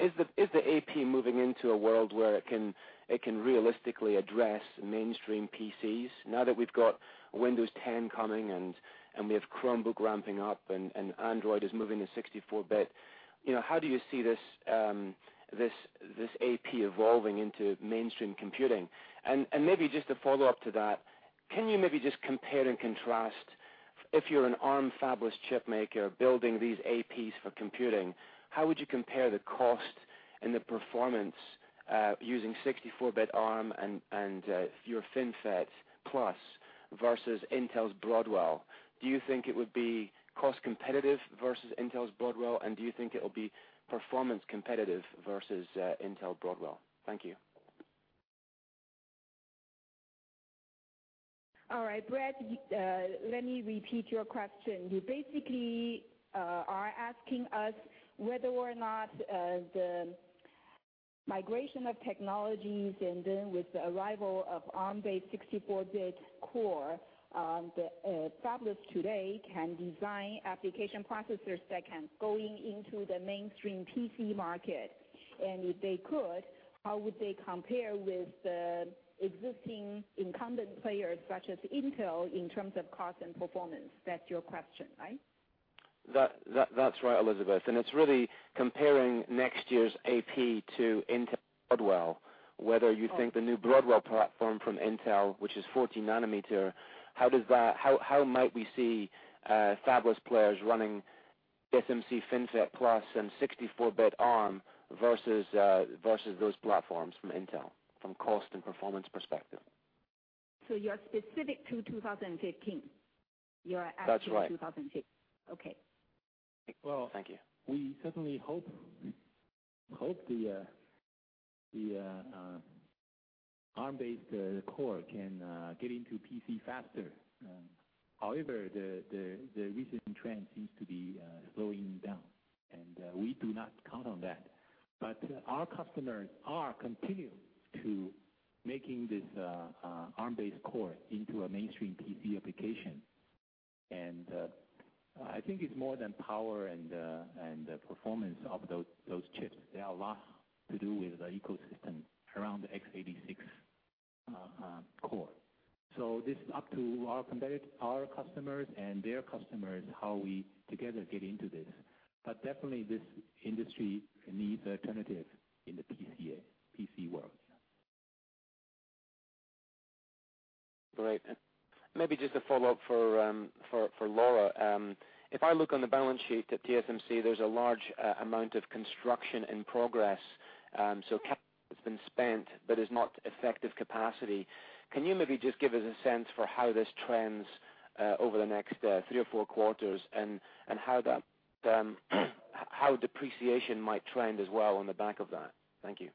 is the AP moving into a world where it can realistically address mainstream PCs now that we've got Windows 10 coming and we have Chromebook ramping up and Android is moving to 64-bit? How do you see this AP evolving into mainstream computing? Maybe just a follow-up to that, can you maybe just compare and contrast if you're an Arm fabless chipmaker building these APs for computing, how would you compare the cost and the performance using 64-bit Arm and your FinFET plus versus Intel's Broadwell? Do you think it would be cost competitive versus Intel's Broadwell, and do you think it'll be performance competitive versus Intel Broadwell? Thank you. All right, Brett, let me repeat your question. You basically are asking us whether or not the migration of technologies and then with the arrival of Arm-based 64-bit core, the fabless today can design application processors that can going into the mainstream PC market. If they could, how would they compare with the existing incumbent players such as Intel in terms of cost and performance? That's your question, right? That's right, Elizabeth. It's really comparing next year's AP to Intel Broadwell, whether you think the new Broadwell platform from Intel, which is 14 nanometer, how might we see fabless players running TSMC FinFET Plus and 64-bit Arm versus those platforms from Intel from cost and performance perspective? You are specific to 2015. You are asking 2015. That's right. Okay. Thank you. Well, we certainly hope the ARM-based core can get into PC faster. However, the recent trend seems to be slowing down, and we do not count on that. Our customers are continuing to make this ARM-based core into a mainstream PC application. I think it's more than power and the performance of those chips. There are lots to do with the ecosystem around the x86 core. This is up to our customers and their customers, how we together get into this. Definitely, this industry needs alternative in the PC world. Great. Maybe just a follow-up for Lora. If I look on the balance sheet at TSMC, there's a large amount of construction in progress. Capital has been spent but is not effective capacity. Can you maybe just give us a sense for how this trends over the next three or four quarters, and how depreciation might trend as well on the back of that? Thank you.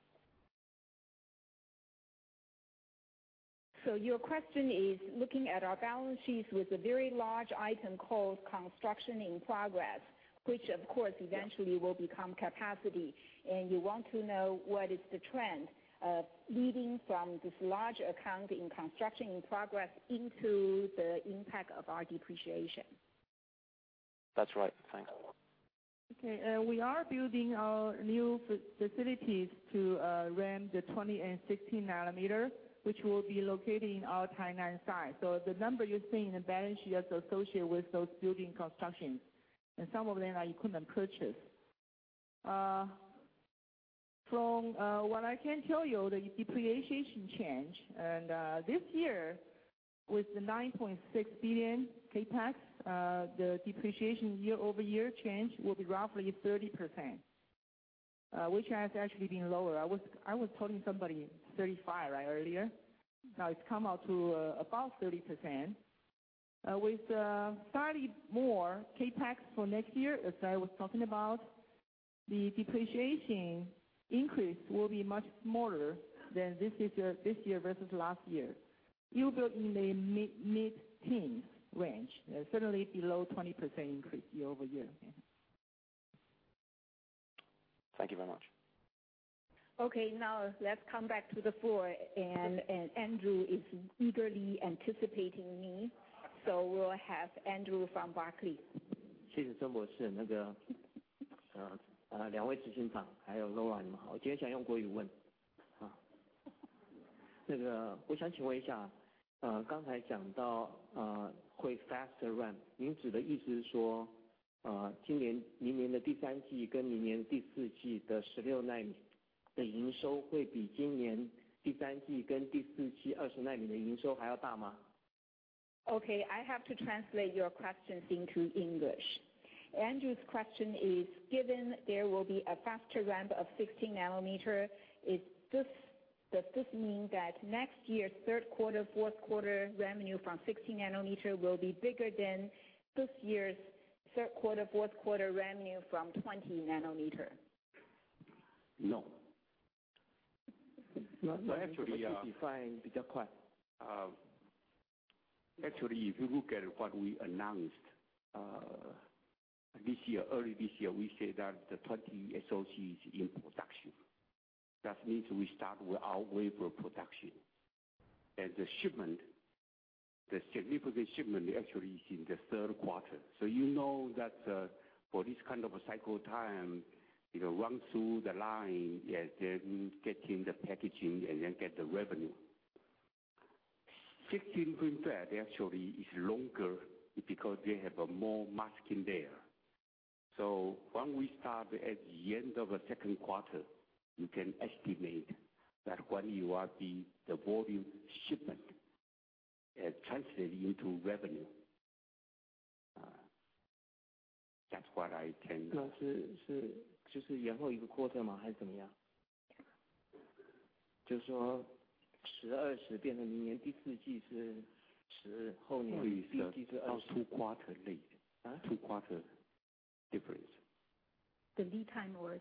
Your question is looking at our balance sheets with a very large item called construction in progress, which of course eventually will become capacity, and you want to know what is the trend of leading from this large account in construction in progress into the impact of our depreciation? That's right. Thanks. Okay. We are building our new facilities to run the 20 nanometer and 16 nanometer, which will be located in our Tainan site. The number you see in the balance sheet is associated with those building constructions, and some of them are equipment purchase. From what I can tell you, the depreciation change, and this year, with the 9.6 billion CapEx, the depreciation year-over-year change will be roughly 30%, which has actually been lower. I was telling somebody 35% earlier. Now it's come out to about 30%. With TWD 30 more CapEx for next year, as I was talking about, the depreciation increase will be much smaller than this year versus last year. It will be in the mid-teen range, certainly below 20% increase year-over-year. Thank you very much. Okay, now let's come back to the floor, Andrew is eagerly anticipating me. We'll have Andrew from Barclays. Thanks, Elizabeth Sun. Hello to both CEOs and Lora. Today I'd like to ask in Mandarin. I'd like to ask, when you mentioned earlier about a faster ramp, do you mean that next year's Q3 and Q4 revenue from 16 nanometer will be bigger than this year's Q3 and Q4 revenue from 20 nanometer? Okay, I have to translate your questions into English. Andrew's question is: Given there will be a faster ramp of 16 nanometer, does this mean that next year's Q3 and Q4 revenue from 16 nanometer will be bigger than this year's Q3 and Q4 revenue from 20 nanometer? No. You have to quickly define Actually, if you look at what we announced early this year, we said that the 20SoC is in production. That means we start with our wafer production. The significant shipment actually is in the third quarter. You know that for this kind of cycle time, it will run through the line, and then get in the packaging, and then get the revenue. 16 nanometer fab actually is longer because they have more masking there. When we start at the end of the second quarter, you can estimate that what will be the volume shipment as translated into revenue. That's what I can. Is it just delay for a quarter or what? Are you saying that 10 nm will become next year's Q4 and then next year's Q1 About two quarter late. Huh? Two quarter difference. The lead time or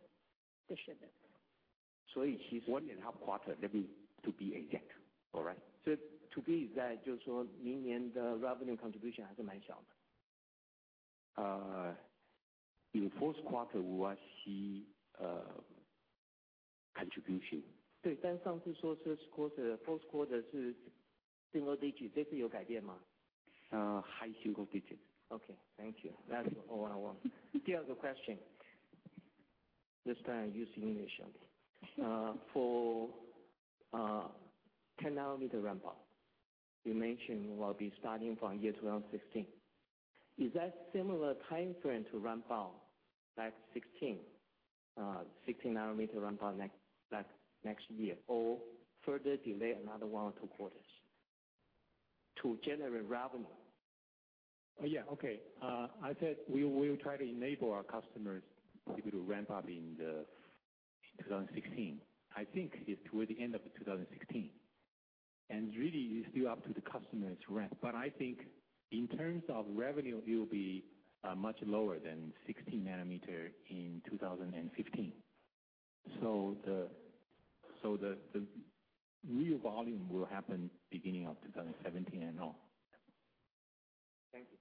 the shipment. One and a half quarter, maybe, to be exact. All right? To be exact, you're saying that next year's revenue contribution is still quite small. In fourth quarter, we will see contribution. Right. Last time you said that fourth quarter is single digits. Has that changed? High single digits. Okay. Thank you. That's all I want. The other question. This time using English only. For 10 nanometer ramp-up, you mentioned will be starting from year 2012 to 2016. Is that similar timeframe to ramp up like 16 nanometer ramp up next year, or further delay another one or two quarters to generate revenue? Yeah. Okay. I said we will try to enable our customers to be able to ramp up in 2016. I think it's toward the end of 2016. Really, it's still up to the customer's ramp. I think in terms of revenue, it will be much lower than 16 nanometer in 2015. The real volume will happen beginning of 2017 and on. Thank you.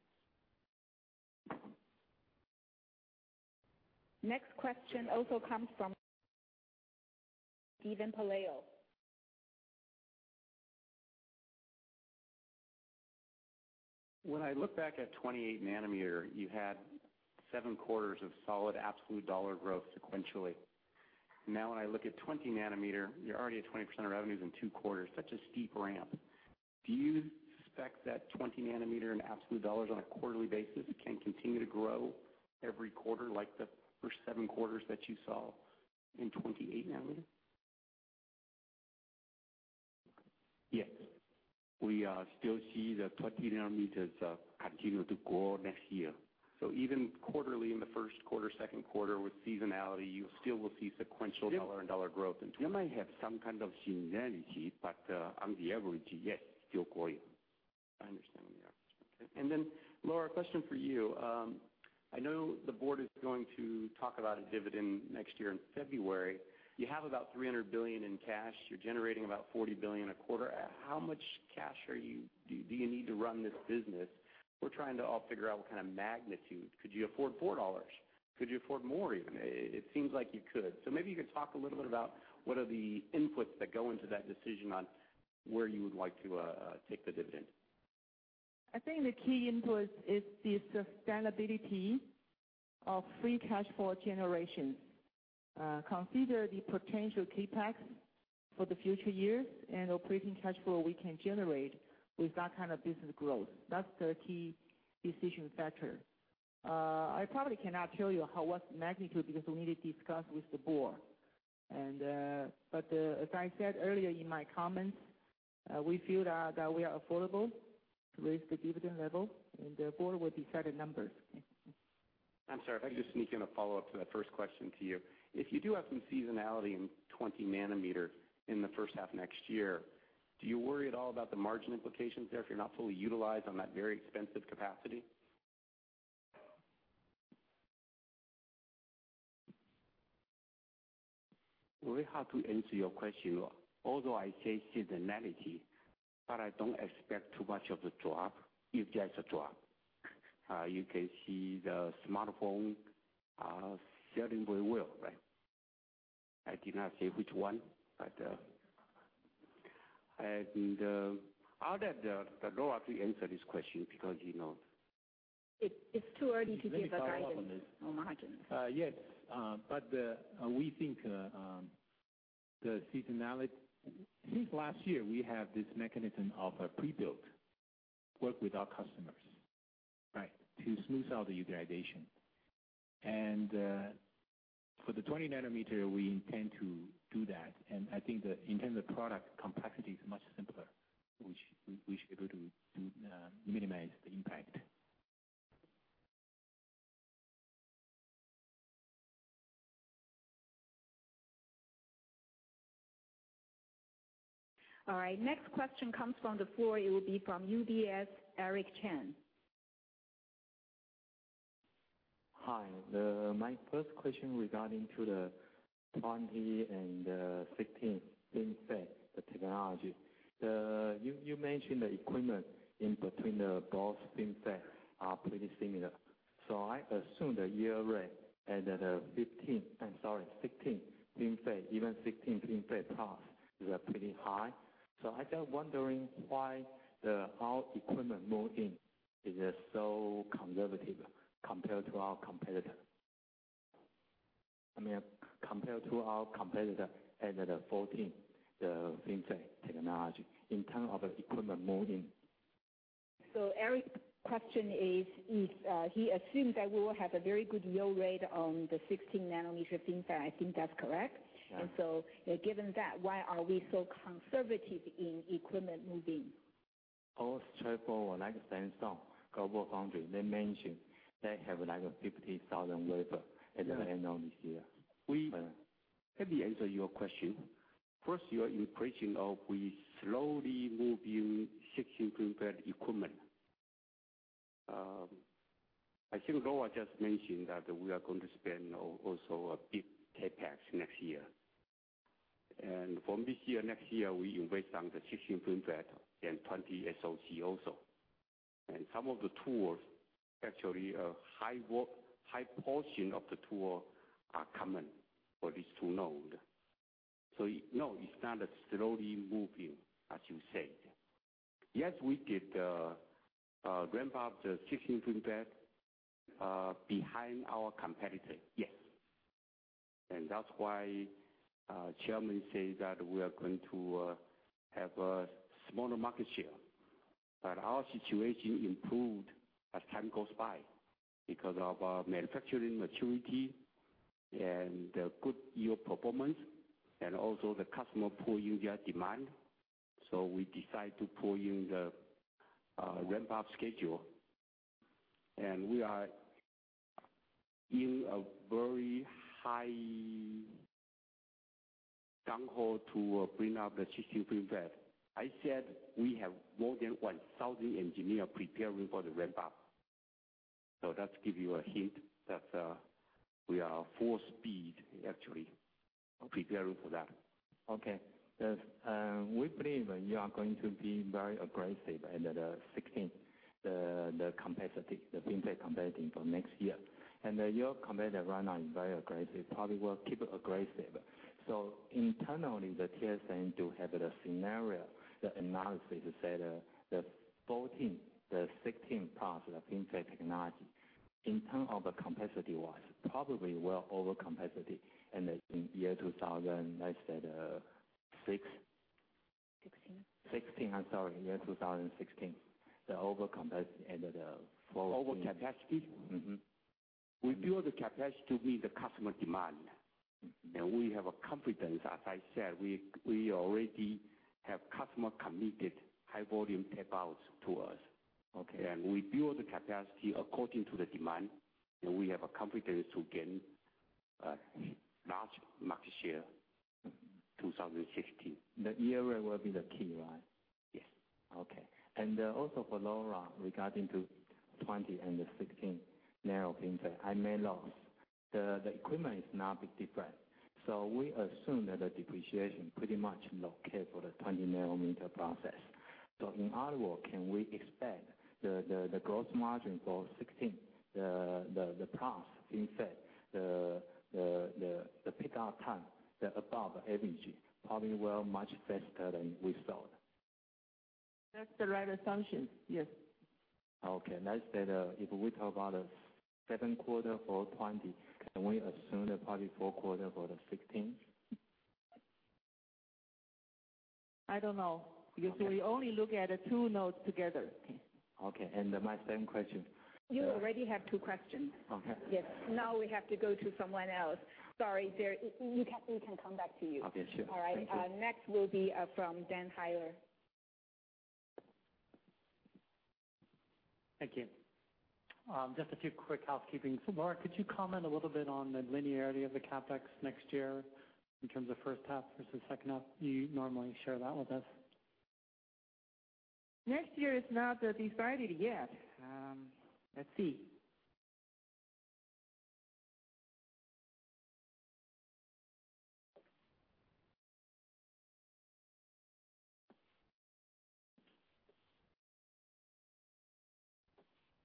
Next question also comes from Steven Pelayo. When I look back at 28 nanometer, you had seven quarters of solid absolute dollar growth sequentially. Now when I look at 20 nanometer, you're already at 20% of revenues in two quarters, such a steep ramp. Do you suspect that 20 nanometer in absolute dollars on a quarterly basis can continue to grow every quarter like the first seven quarters that you saw in 28 nanometer? Yes. We still see the 20 nanometers continue to grow next year. Even quarterly in the first quarter, second quarter with seasonality, you still will see sequential- Yes dollar and dollar growth in 20- You might have some kind of seasonality, on the average, yes, still growing. I understand, yeah. Okay. Then, Lora, a question for you. I know the board is going to talk about a dividend next year in February. You have about 300 billion in cash, you're generating about 40 billion a quarter. How much cash do you need to run this business? We're trying to all figure out what kind of magnitude. Could you afford 4 dollars? Could you afford more even? It seems like you could. Maybe you could talk a little bit about what are the inputs that go into that decision on where you would like to take the dividend. I think the key input is the sustainability of free cash flow generation. Consider the potential CapEx for the future years and operating cash flow we can generate with that kind of business growth. That's the key decision factor. I probably cannot tell you what's the magnitude because we need to discuss with the board. As I said earlier in my comments, we feel that we are affordable to raise the dividend level, and the board will decide the numbers. I'm sorry, if I could just sneak in a follow-up to that first question to you. If you do have some seasonality in 20 nanometer in the first half next year, do you worry at all about the margin implications there if you're not fully utilized on that very expensive capacity? Very hard to answer your question. Although I say seasonality, I don't expect too much of a drop, if there's a drop. You can see the smartphone selling very well, right? I did not say which one. I'll let Lora to answer this question because you know It's too early to give a guidance on margins. Yes. We think the seasonality Since last year, we have this mechanism of a pre-built, work with our customers, right, to smooth out the utilization. For the 20 nanometer, we intend to do that. I think that in terms of product complexity, it's much simpler, which we should be able to minimize the impact. All right. Next question comes from the floor. It will be from UBS, Eric Chen. Hi. My first question regarding to the 20 and the 16 FinFET, the technology. You mentioned the equipment in between the both FinFET are pretty similar. I assume the yield rate at the 15, sorry, 16 FinFET, even 16FinFET+, is pretty high. I'm just wondering why our equipment move-in is so conservative compared to our competitor. I mean, compared to our competitor at the 14, the FinFET technology in term of equipment move-in. Eric's question is, he assumed that we will have a very good yield rate on the 16 nanometer FinFET. I think that's correct. Yeah. Given that, why are we so conservative in equipment move-in? All circle, like Samsung, GlobalFoundries, they mentioned they have like 50,000 wafer at the end of this year. Let me answer your question. First, your impression of we slowly move in 16 FinFET equipment. I think Lora just mentioned that we are going to spend also a big CapEx next year. From this year, next year, we invest on the 16 FinFET and 20SoC also. Some of the tools, actually a high portion of the tool are common for these two node. No, it's not slowly moving, as you said. Yes, we did ramp up the 16 FinFET behind our competitor. Yes. That's why Chairman say that we are going to have a smaller market share. Our situation improved as time goes by because of our manufacturing maturity and the good yield performance and also the customer pull-in their demand. We decide to pull in the ramp-up schedule. We are In a very high gung ho to bring up the 16 FinFET. I said we have more than 1,000 engineer preparing for the ramp up. That give you a hint that we are full speed, actually, preparing for that. Okay. We believe you are going to be very aggressive under the 16, the FinFET capacity for next year. Your competitor right now is very aggressive, probably will keep aggressive. Internally, the TSMC do have the scenario, the analysis say the 16 process of FinFET technology, in term of the capacity wise, probably will over capacity in the year. 16. 16, I'm sorry. Year 2016. The over capacity and the 14- Over capacity? We build the capacity with the customer demand. We have a confidence, as I said, we already have customer committed high volume tape outs to us. Okay. We build the capacity according to the demand, and we have a confidence to gain large market share 2016. The year will be the key, right? Yes. Also for Lora, regarding to 20 and the 16 nanometer FinFET. I made notes. The equipment is not big different. We assume that the depreciation pretty much allocated for the 20 nanometer process. In other words, can we expect the gross margin for 16, the process, in fact, the pick out time, the above average, probably will much faster than we thought. That's the right assumption. Yes. Okay. Let's say that if we talk about the second quarter for 20, can we assume that probably fourth quarter for the 16? I don't know. Okay. We only look at the two nodes together. Okay. My second question. You already have two questions. Okay. Yes. Now we have to go to someone else. Sorry, we can come back to you. Okay, sure. Thank you. All right. Next will be from Dan Heyler. Thank you. Just a few quick housekeepings. Lora, could you comment a little bit on the linearity of the CapEx next year in terms of first half versus second half? You normally share that with us. Next year is not decided yet. Let's see.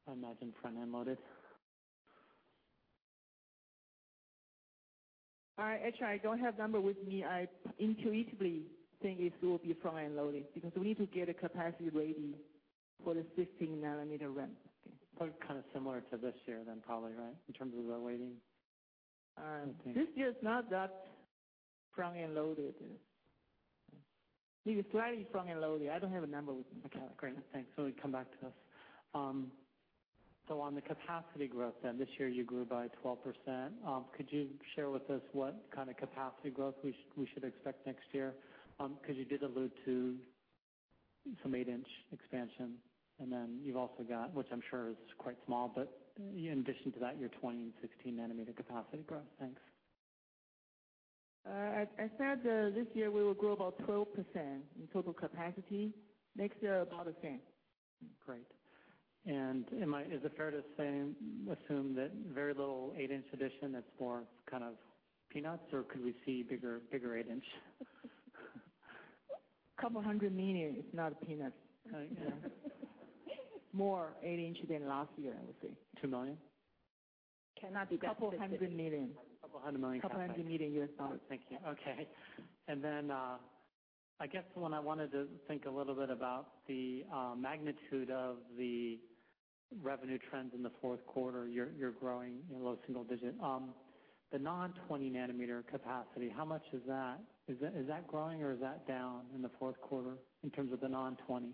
I imagine front-end loaded. Actually, I don't have number with me. I intuitively think it will be front-end loaded because we need to get a capacity ready for the 16 nanometer ramp. Okay. kind of similar to this year then probably, right? In terms of the weighting. This year is not that front-end loaded. It is slightly front-end loaded. I don't have a number with me. Okay, great. Thanks. We will come back to this. On the capacity growth then, this year you grew by 12%. Could you share with us what kind of capacity growth we should expect next year? Because you did allude to some 8-inch expansion, and then you've also got, which I'm sure is quite small, but in addition to that, your 20 and 16 nanometer capacity growth. Thanks. As I said, this year we will grow about 12% in total capacity. Next year, about the same. Great. Is it fair to assume that very little 8-inch addition, that's more kind of peanuts, or could we see bigger 8-inch? TWD couple hundred million. It's not a peanut. Okay. More 8-inch than last year, we'll see. two million? Cannot be that specific. 200 million. $200 million. I guess what I wanted to think a little bit about the magnitude of the revenue trends in the fourth quarter, you're growing in low single digit. The non-20 nanometer capacity, how much is that? Is that growing or is that down in the fourth quarter in terms of the non-20?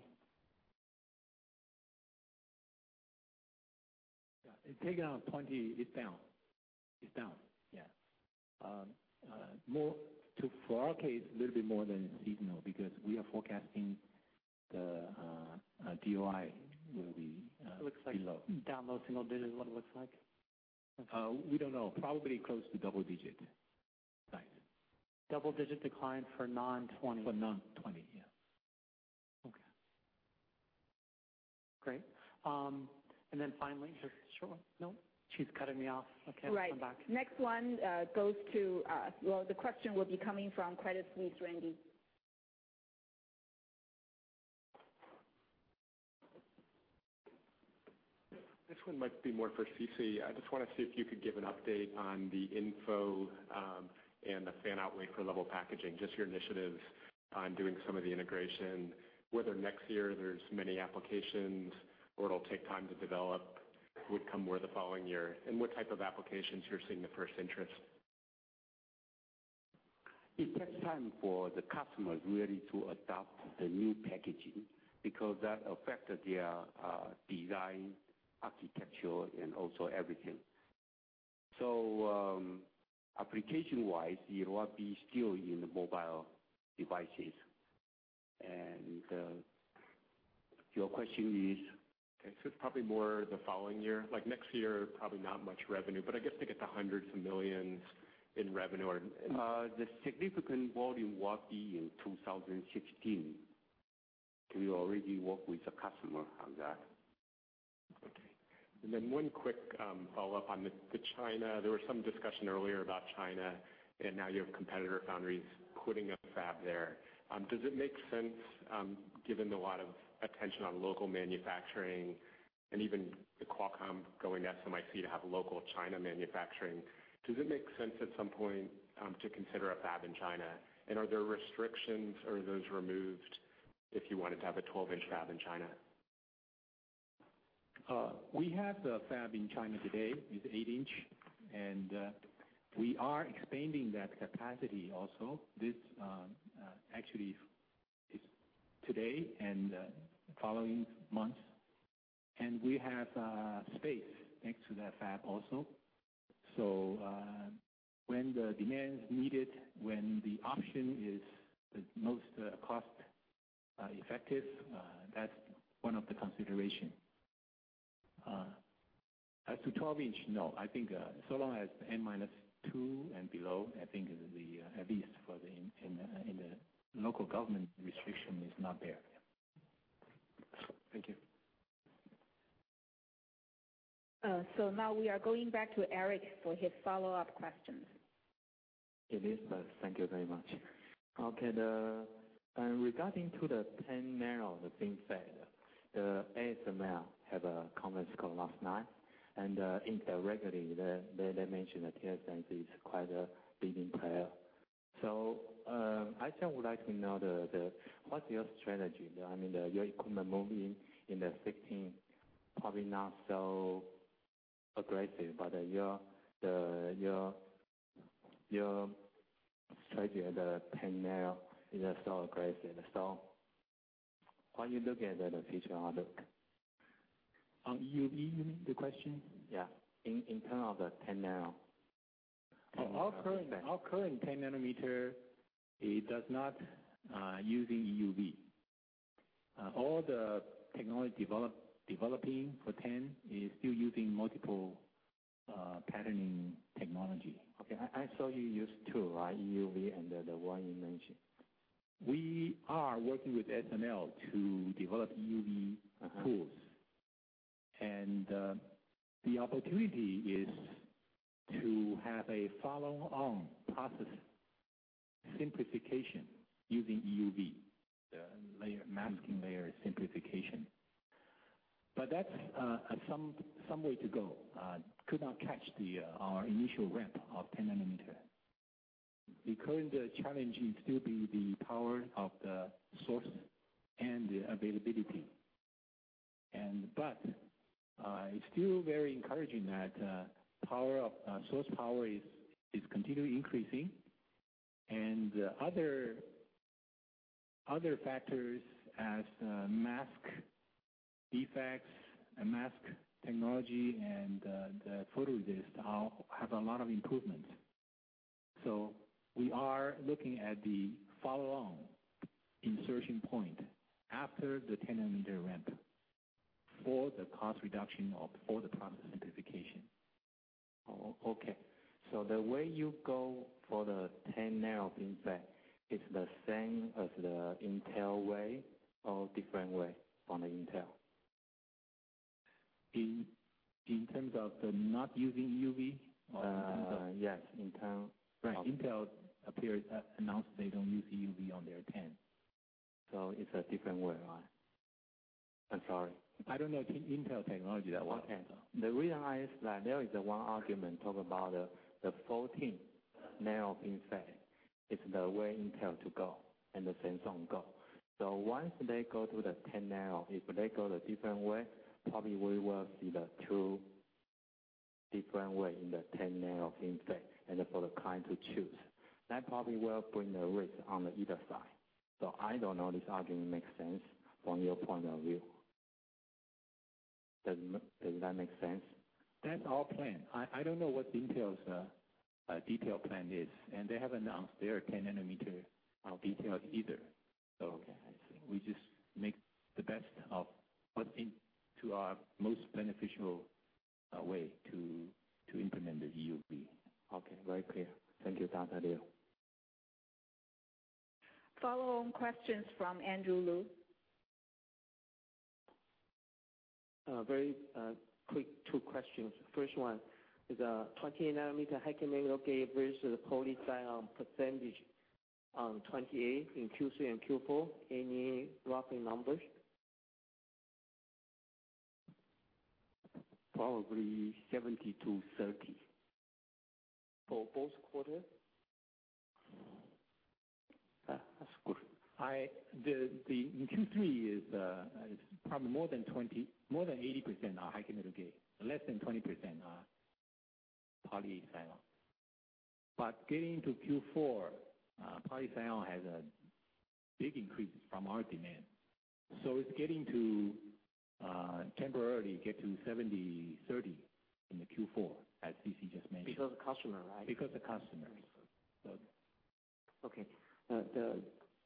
Yeah. In take out 20, it's down. It's down, yeah. For our case, little bit more than seasonal because we are forecasting the DOI will be below. It looks like down low single digit is what it looks like? We don't know. Probably close to double digit decline. Double digit decline for non-20. For non-20, yeah. Okay. Great. Then finally, just short No? She's cutting me off. Okay. Right. I'll come back. Next one goes to, well, the question will be coming from Credit Suisse, Randy. This one might be more for C.C. I just want to see if you could give an update on the InFO, and the fan-out wafer-level packaging, just your initiatives on doing some of the integration. Whether next year there's many applications or it'll take time to develop, would come more the following year. What type of applications you're seeing the first interest? It takes time for the customers really to adopt the new packaging because that affected their design, architecture, and also everything. Application wise, it will be still in the mobile devices. Your question is? It's probably more the following year. Next year, probably not much revenue, but I guess to get to TWD hundreds of millions in revenue. The significant volume will be in 2016. We already work with the customer on that. Okay. Then one quick follow-up on China. There was some discussion earlier about China, and now you have competitor foundries putting up fab there. Given a lot of attention on local manufacturing and even the Qualcomm going SMIC to have local China manufacturing, does it make sense at some point to consider a fab in China? Are there restrictions, or are those removed if you wanted to have a 12-inch fab in China? We have the fab in China today. It's eight-inch, and we are expanding that capacity also. This actually is today and the following months, and we have space next to that fab also. When the demand is needed, when the option is the most cost effective, that's one of the consideration. As to 12-inch, no. I think so long as N-2 and below, I think at least in the local government, restriction is not there. Thank you. Now we are going back to Eric for his follow-up questions. Elizabeth, thank you very much. Regarding to the 10 nano FinFET, ASML have a conference call last night, Intel regularly, they mentioned that TSMC is quite a leading player. I just would like to know what's your strategy? I mean, your equipment moving in '16, probably not so aggressive, but your strategy of the 10 nano is so aggressive. How you look at the future outlook? On EUV, you mean, the question? In term of the 10 nano. Our current 10 nanometer, it does not using EUV. All the technology developing for 10 is still using multiple patterning technology. Okay. I saw you use two, right? EUV and the one you mentioned. We are working with ASML to develop EUV tools. The opportunity is to have a follow-on process simplification using EUV, the masking layer simplification. That's some way to go. Could not catch our initial ramp of 10 nanometer. The current challenge is still the power of the source and the availability. It's still very encouraging that source power is continually increasing, and other factors as mask defects and mask technology and the photoresist have a lot of improvements. We are looking at the follow-on insertion point after the 10-nanometer ramp for the cost reduction or for the process simplification. Oh, okay. The way you go for the 10 nano FinFET is the same as the Intel way or different way on the Intel? In terms of the not using EUV or in terms of- Yes, in term of- Right. Intel appeared to announce they don't use EUV on their 10. It's a different way, right? I'm sorry. I don't know Intel technology that well. Okay. The reason I ask that, there is one argument talk about the 14 nano FinFET is the way Intel to go and Samsung go. Once they go to the 10 nano, if they go the different way, probably we will see the two different way in the 10 nano FinFET and for the client to choose. That probably will bring the risk on the either side. I don't know this argument makes sense from your point of view. Does that make sense? That's our plan. I don't know what Intel's detail plan is, and they haven't announced their 10 nanometer details either. Okay. I see. We just make the best of what into our most beneficial way to implement the EUV. Okay. Very clear. Thank you, Dr. Liu. Follow-on questions from Andrew Lu. Very quick two questions. First one is, 28-nanometer high-k metal gate versus the polysilicon percentage on 28 in Q3 and Q4, any roughly numbers? Probably 70 to 30. For both quarter? That's good. In Q3 is probably more than 80% are high-k metal gate, less than 20% are polysilicon. Getting to Q4, polysilicon has a big increase from our demand. It's getting to Temporarily get to 70/30 in the Q4, as C.C. just mentioned. Because of customer, right? Because of customers. Okay.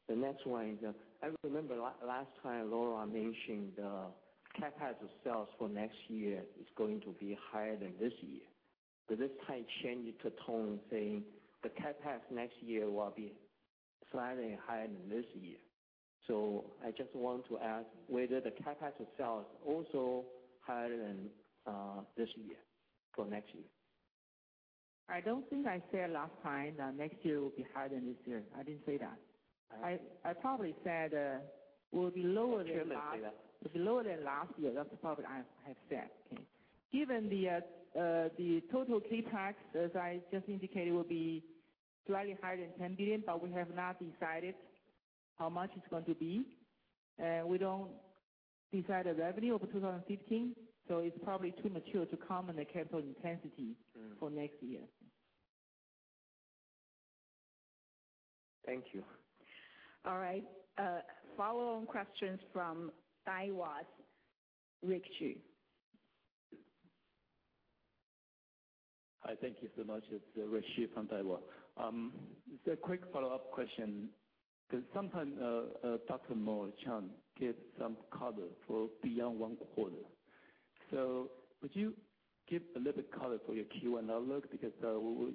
The next one is, I remember last time Lora mentioned the CapEx of sales for next year is going to be higher than this year. This time changed the tone, saying the CapEx next year will be slightly higher than this year. I just want to ask whether the CapEx itself is also higher than this year for next year? I don't think I said last time that next year will be higher than this year. I didn't say that. I probably said will be lower than last. say that. It'll be lower than last year. That's probably I have said. Okay. Given the total CapEx, as I just indicated, will be slightly higher than 10 billion, but we have not decided how much it's going to be. We don't decide the revenue of 2015, so it's probably too mature to comment on the capital intensity for next year. Thank you. All right. Follow-on questions from Daiwa's Rick Hsu. Hi, thank you so much. It's Rick Hsu from Daiwa. Just a quick follow-up question, sometimes Dr. Morris Chang gives some color for beyond one quarter. Would you give a little bit color for your Q1 outlook?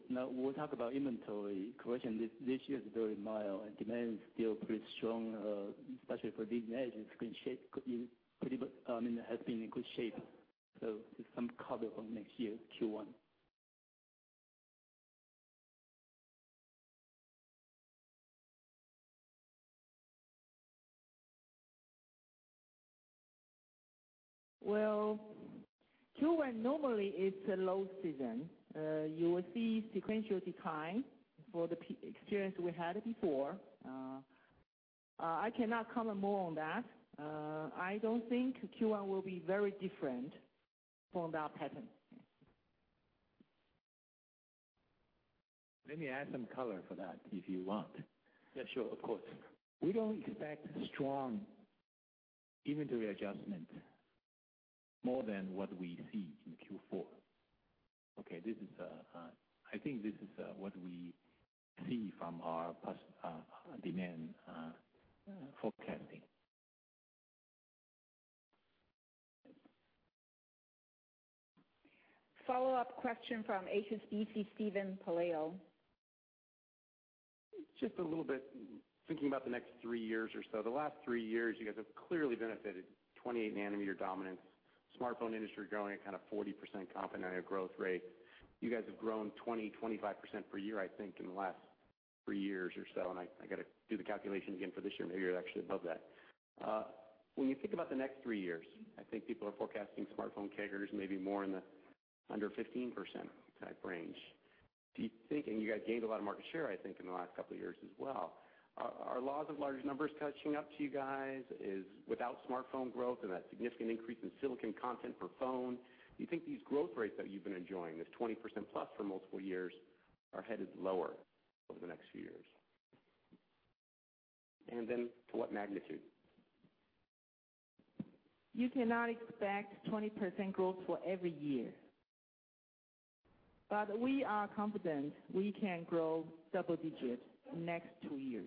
We'll talk about inventory correction. This year is very mild and demand is still pretty strong, especially for these edges, has been in good shape. Just some color for next year, Q1. Well, Q1 normally is a low season. You will see sequential decline for the experience we had before. I cannot comment more on that. I don't think Q1 will be very different from that pattern. Let me add some color for that, if you want. Yeah, sure. Of course. We don't expect strong inventory adjustment more than what we see in Q4. Okay? I think this is what we see from our demand forecasting. Follow-up question from HSBC, Steven Pelayo. Just a little bit, thinking about the next three years or so. The last three years, you guys have clearly benefited 28 nanometer dominance, smartphone industry growing at 40% compounded growth rate. You guys have grown 20, 25% per year, I think, in the last three years or so, and I got to do the calculation again for this year. Maybe you're actually above that. When you think about the next three years, I think people are forecasting smartphone CAGRs maybe more in the under 15% type range. Do you think, and you guys gained a lot of market share, I think, in the last couple of years as well. Are laws of large numbers catching up to you guys? Without smartphone growth and that significant increase in silicon content per phone, do you think these growth rates that you've been enjoying, this 20% plus for multiple years, are headed lower over the next few years? To what magnitude? You cannot expect 20% growth for every year. We are confident we can grow double digits next two years.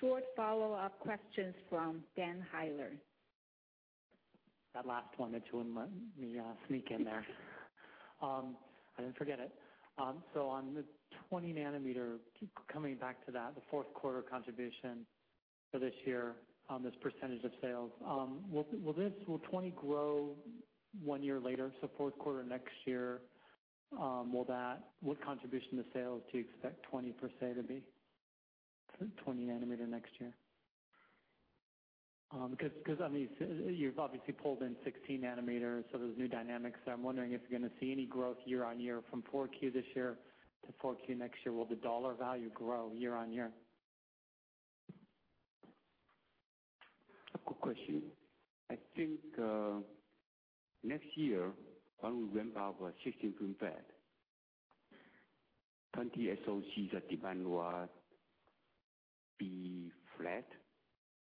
Short follow-up questions from Dan Heyler. That last one that you let me sneak in there. I didn't forget it. On the 20 nanometer, coming back to that, the fourth quarter contribution for this year on this percentage of sales. Will 20 grow one year later? Fourth quarter next year, what contribution to sales do you expect 20 per se to be? 20 nanometer next year. Because you've obviously pulled in 16 nanometer, there's new dynamics. I'm wondering if you're going to see any growth year-on-year from 4Q this year to 4Q next year. Will the TWD value grow year-on-year? Good question. I think next year when we ramp up our 16, 20SoC, the demand will be flat,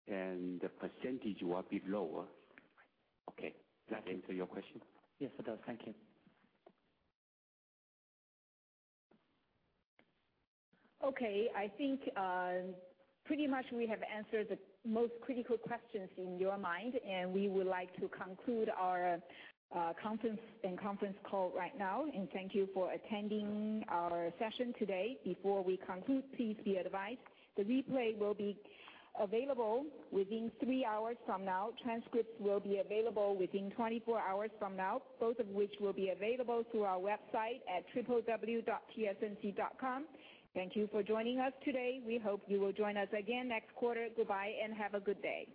and the percentage will be lower. Right. Okay. Does that answer your question? Yes, it does. Thank you. Okay. I think pretty much we have answered the most critical questions in your mind, and we would like to conclude our conference and conference call right now, and thank you for attending our session today. Before we conclude, please be advised the replay will be available within three hours from now. Transcripts will be available within 24 hours from now, both of which will be available through our website at www.tsmc.com. Thank you for joining us today. We hope you will join us again next quarter. Goodbye and have a good day.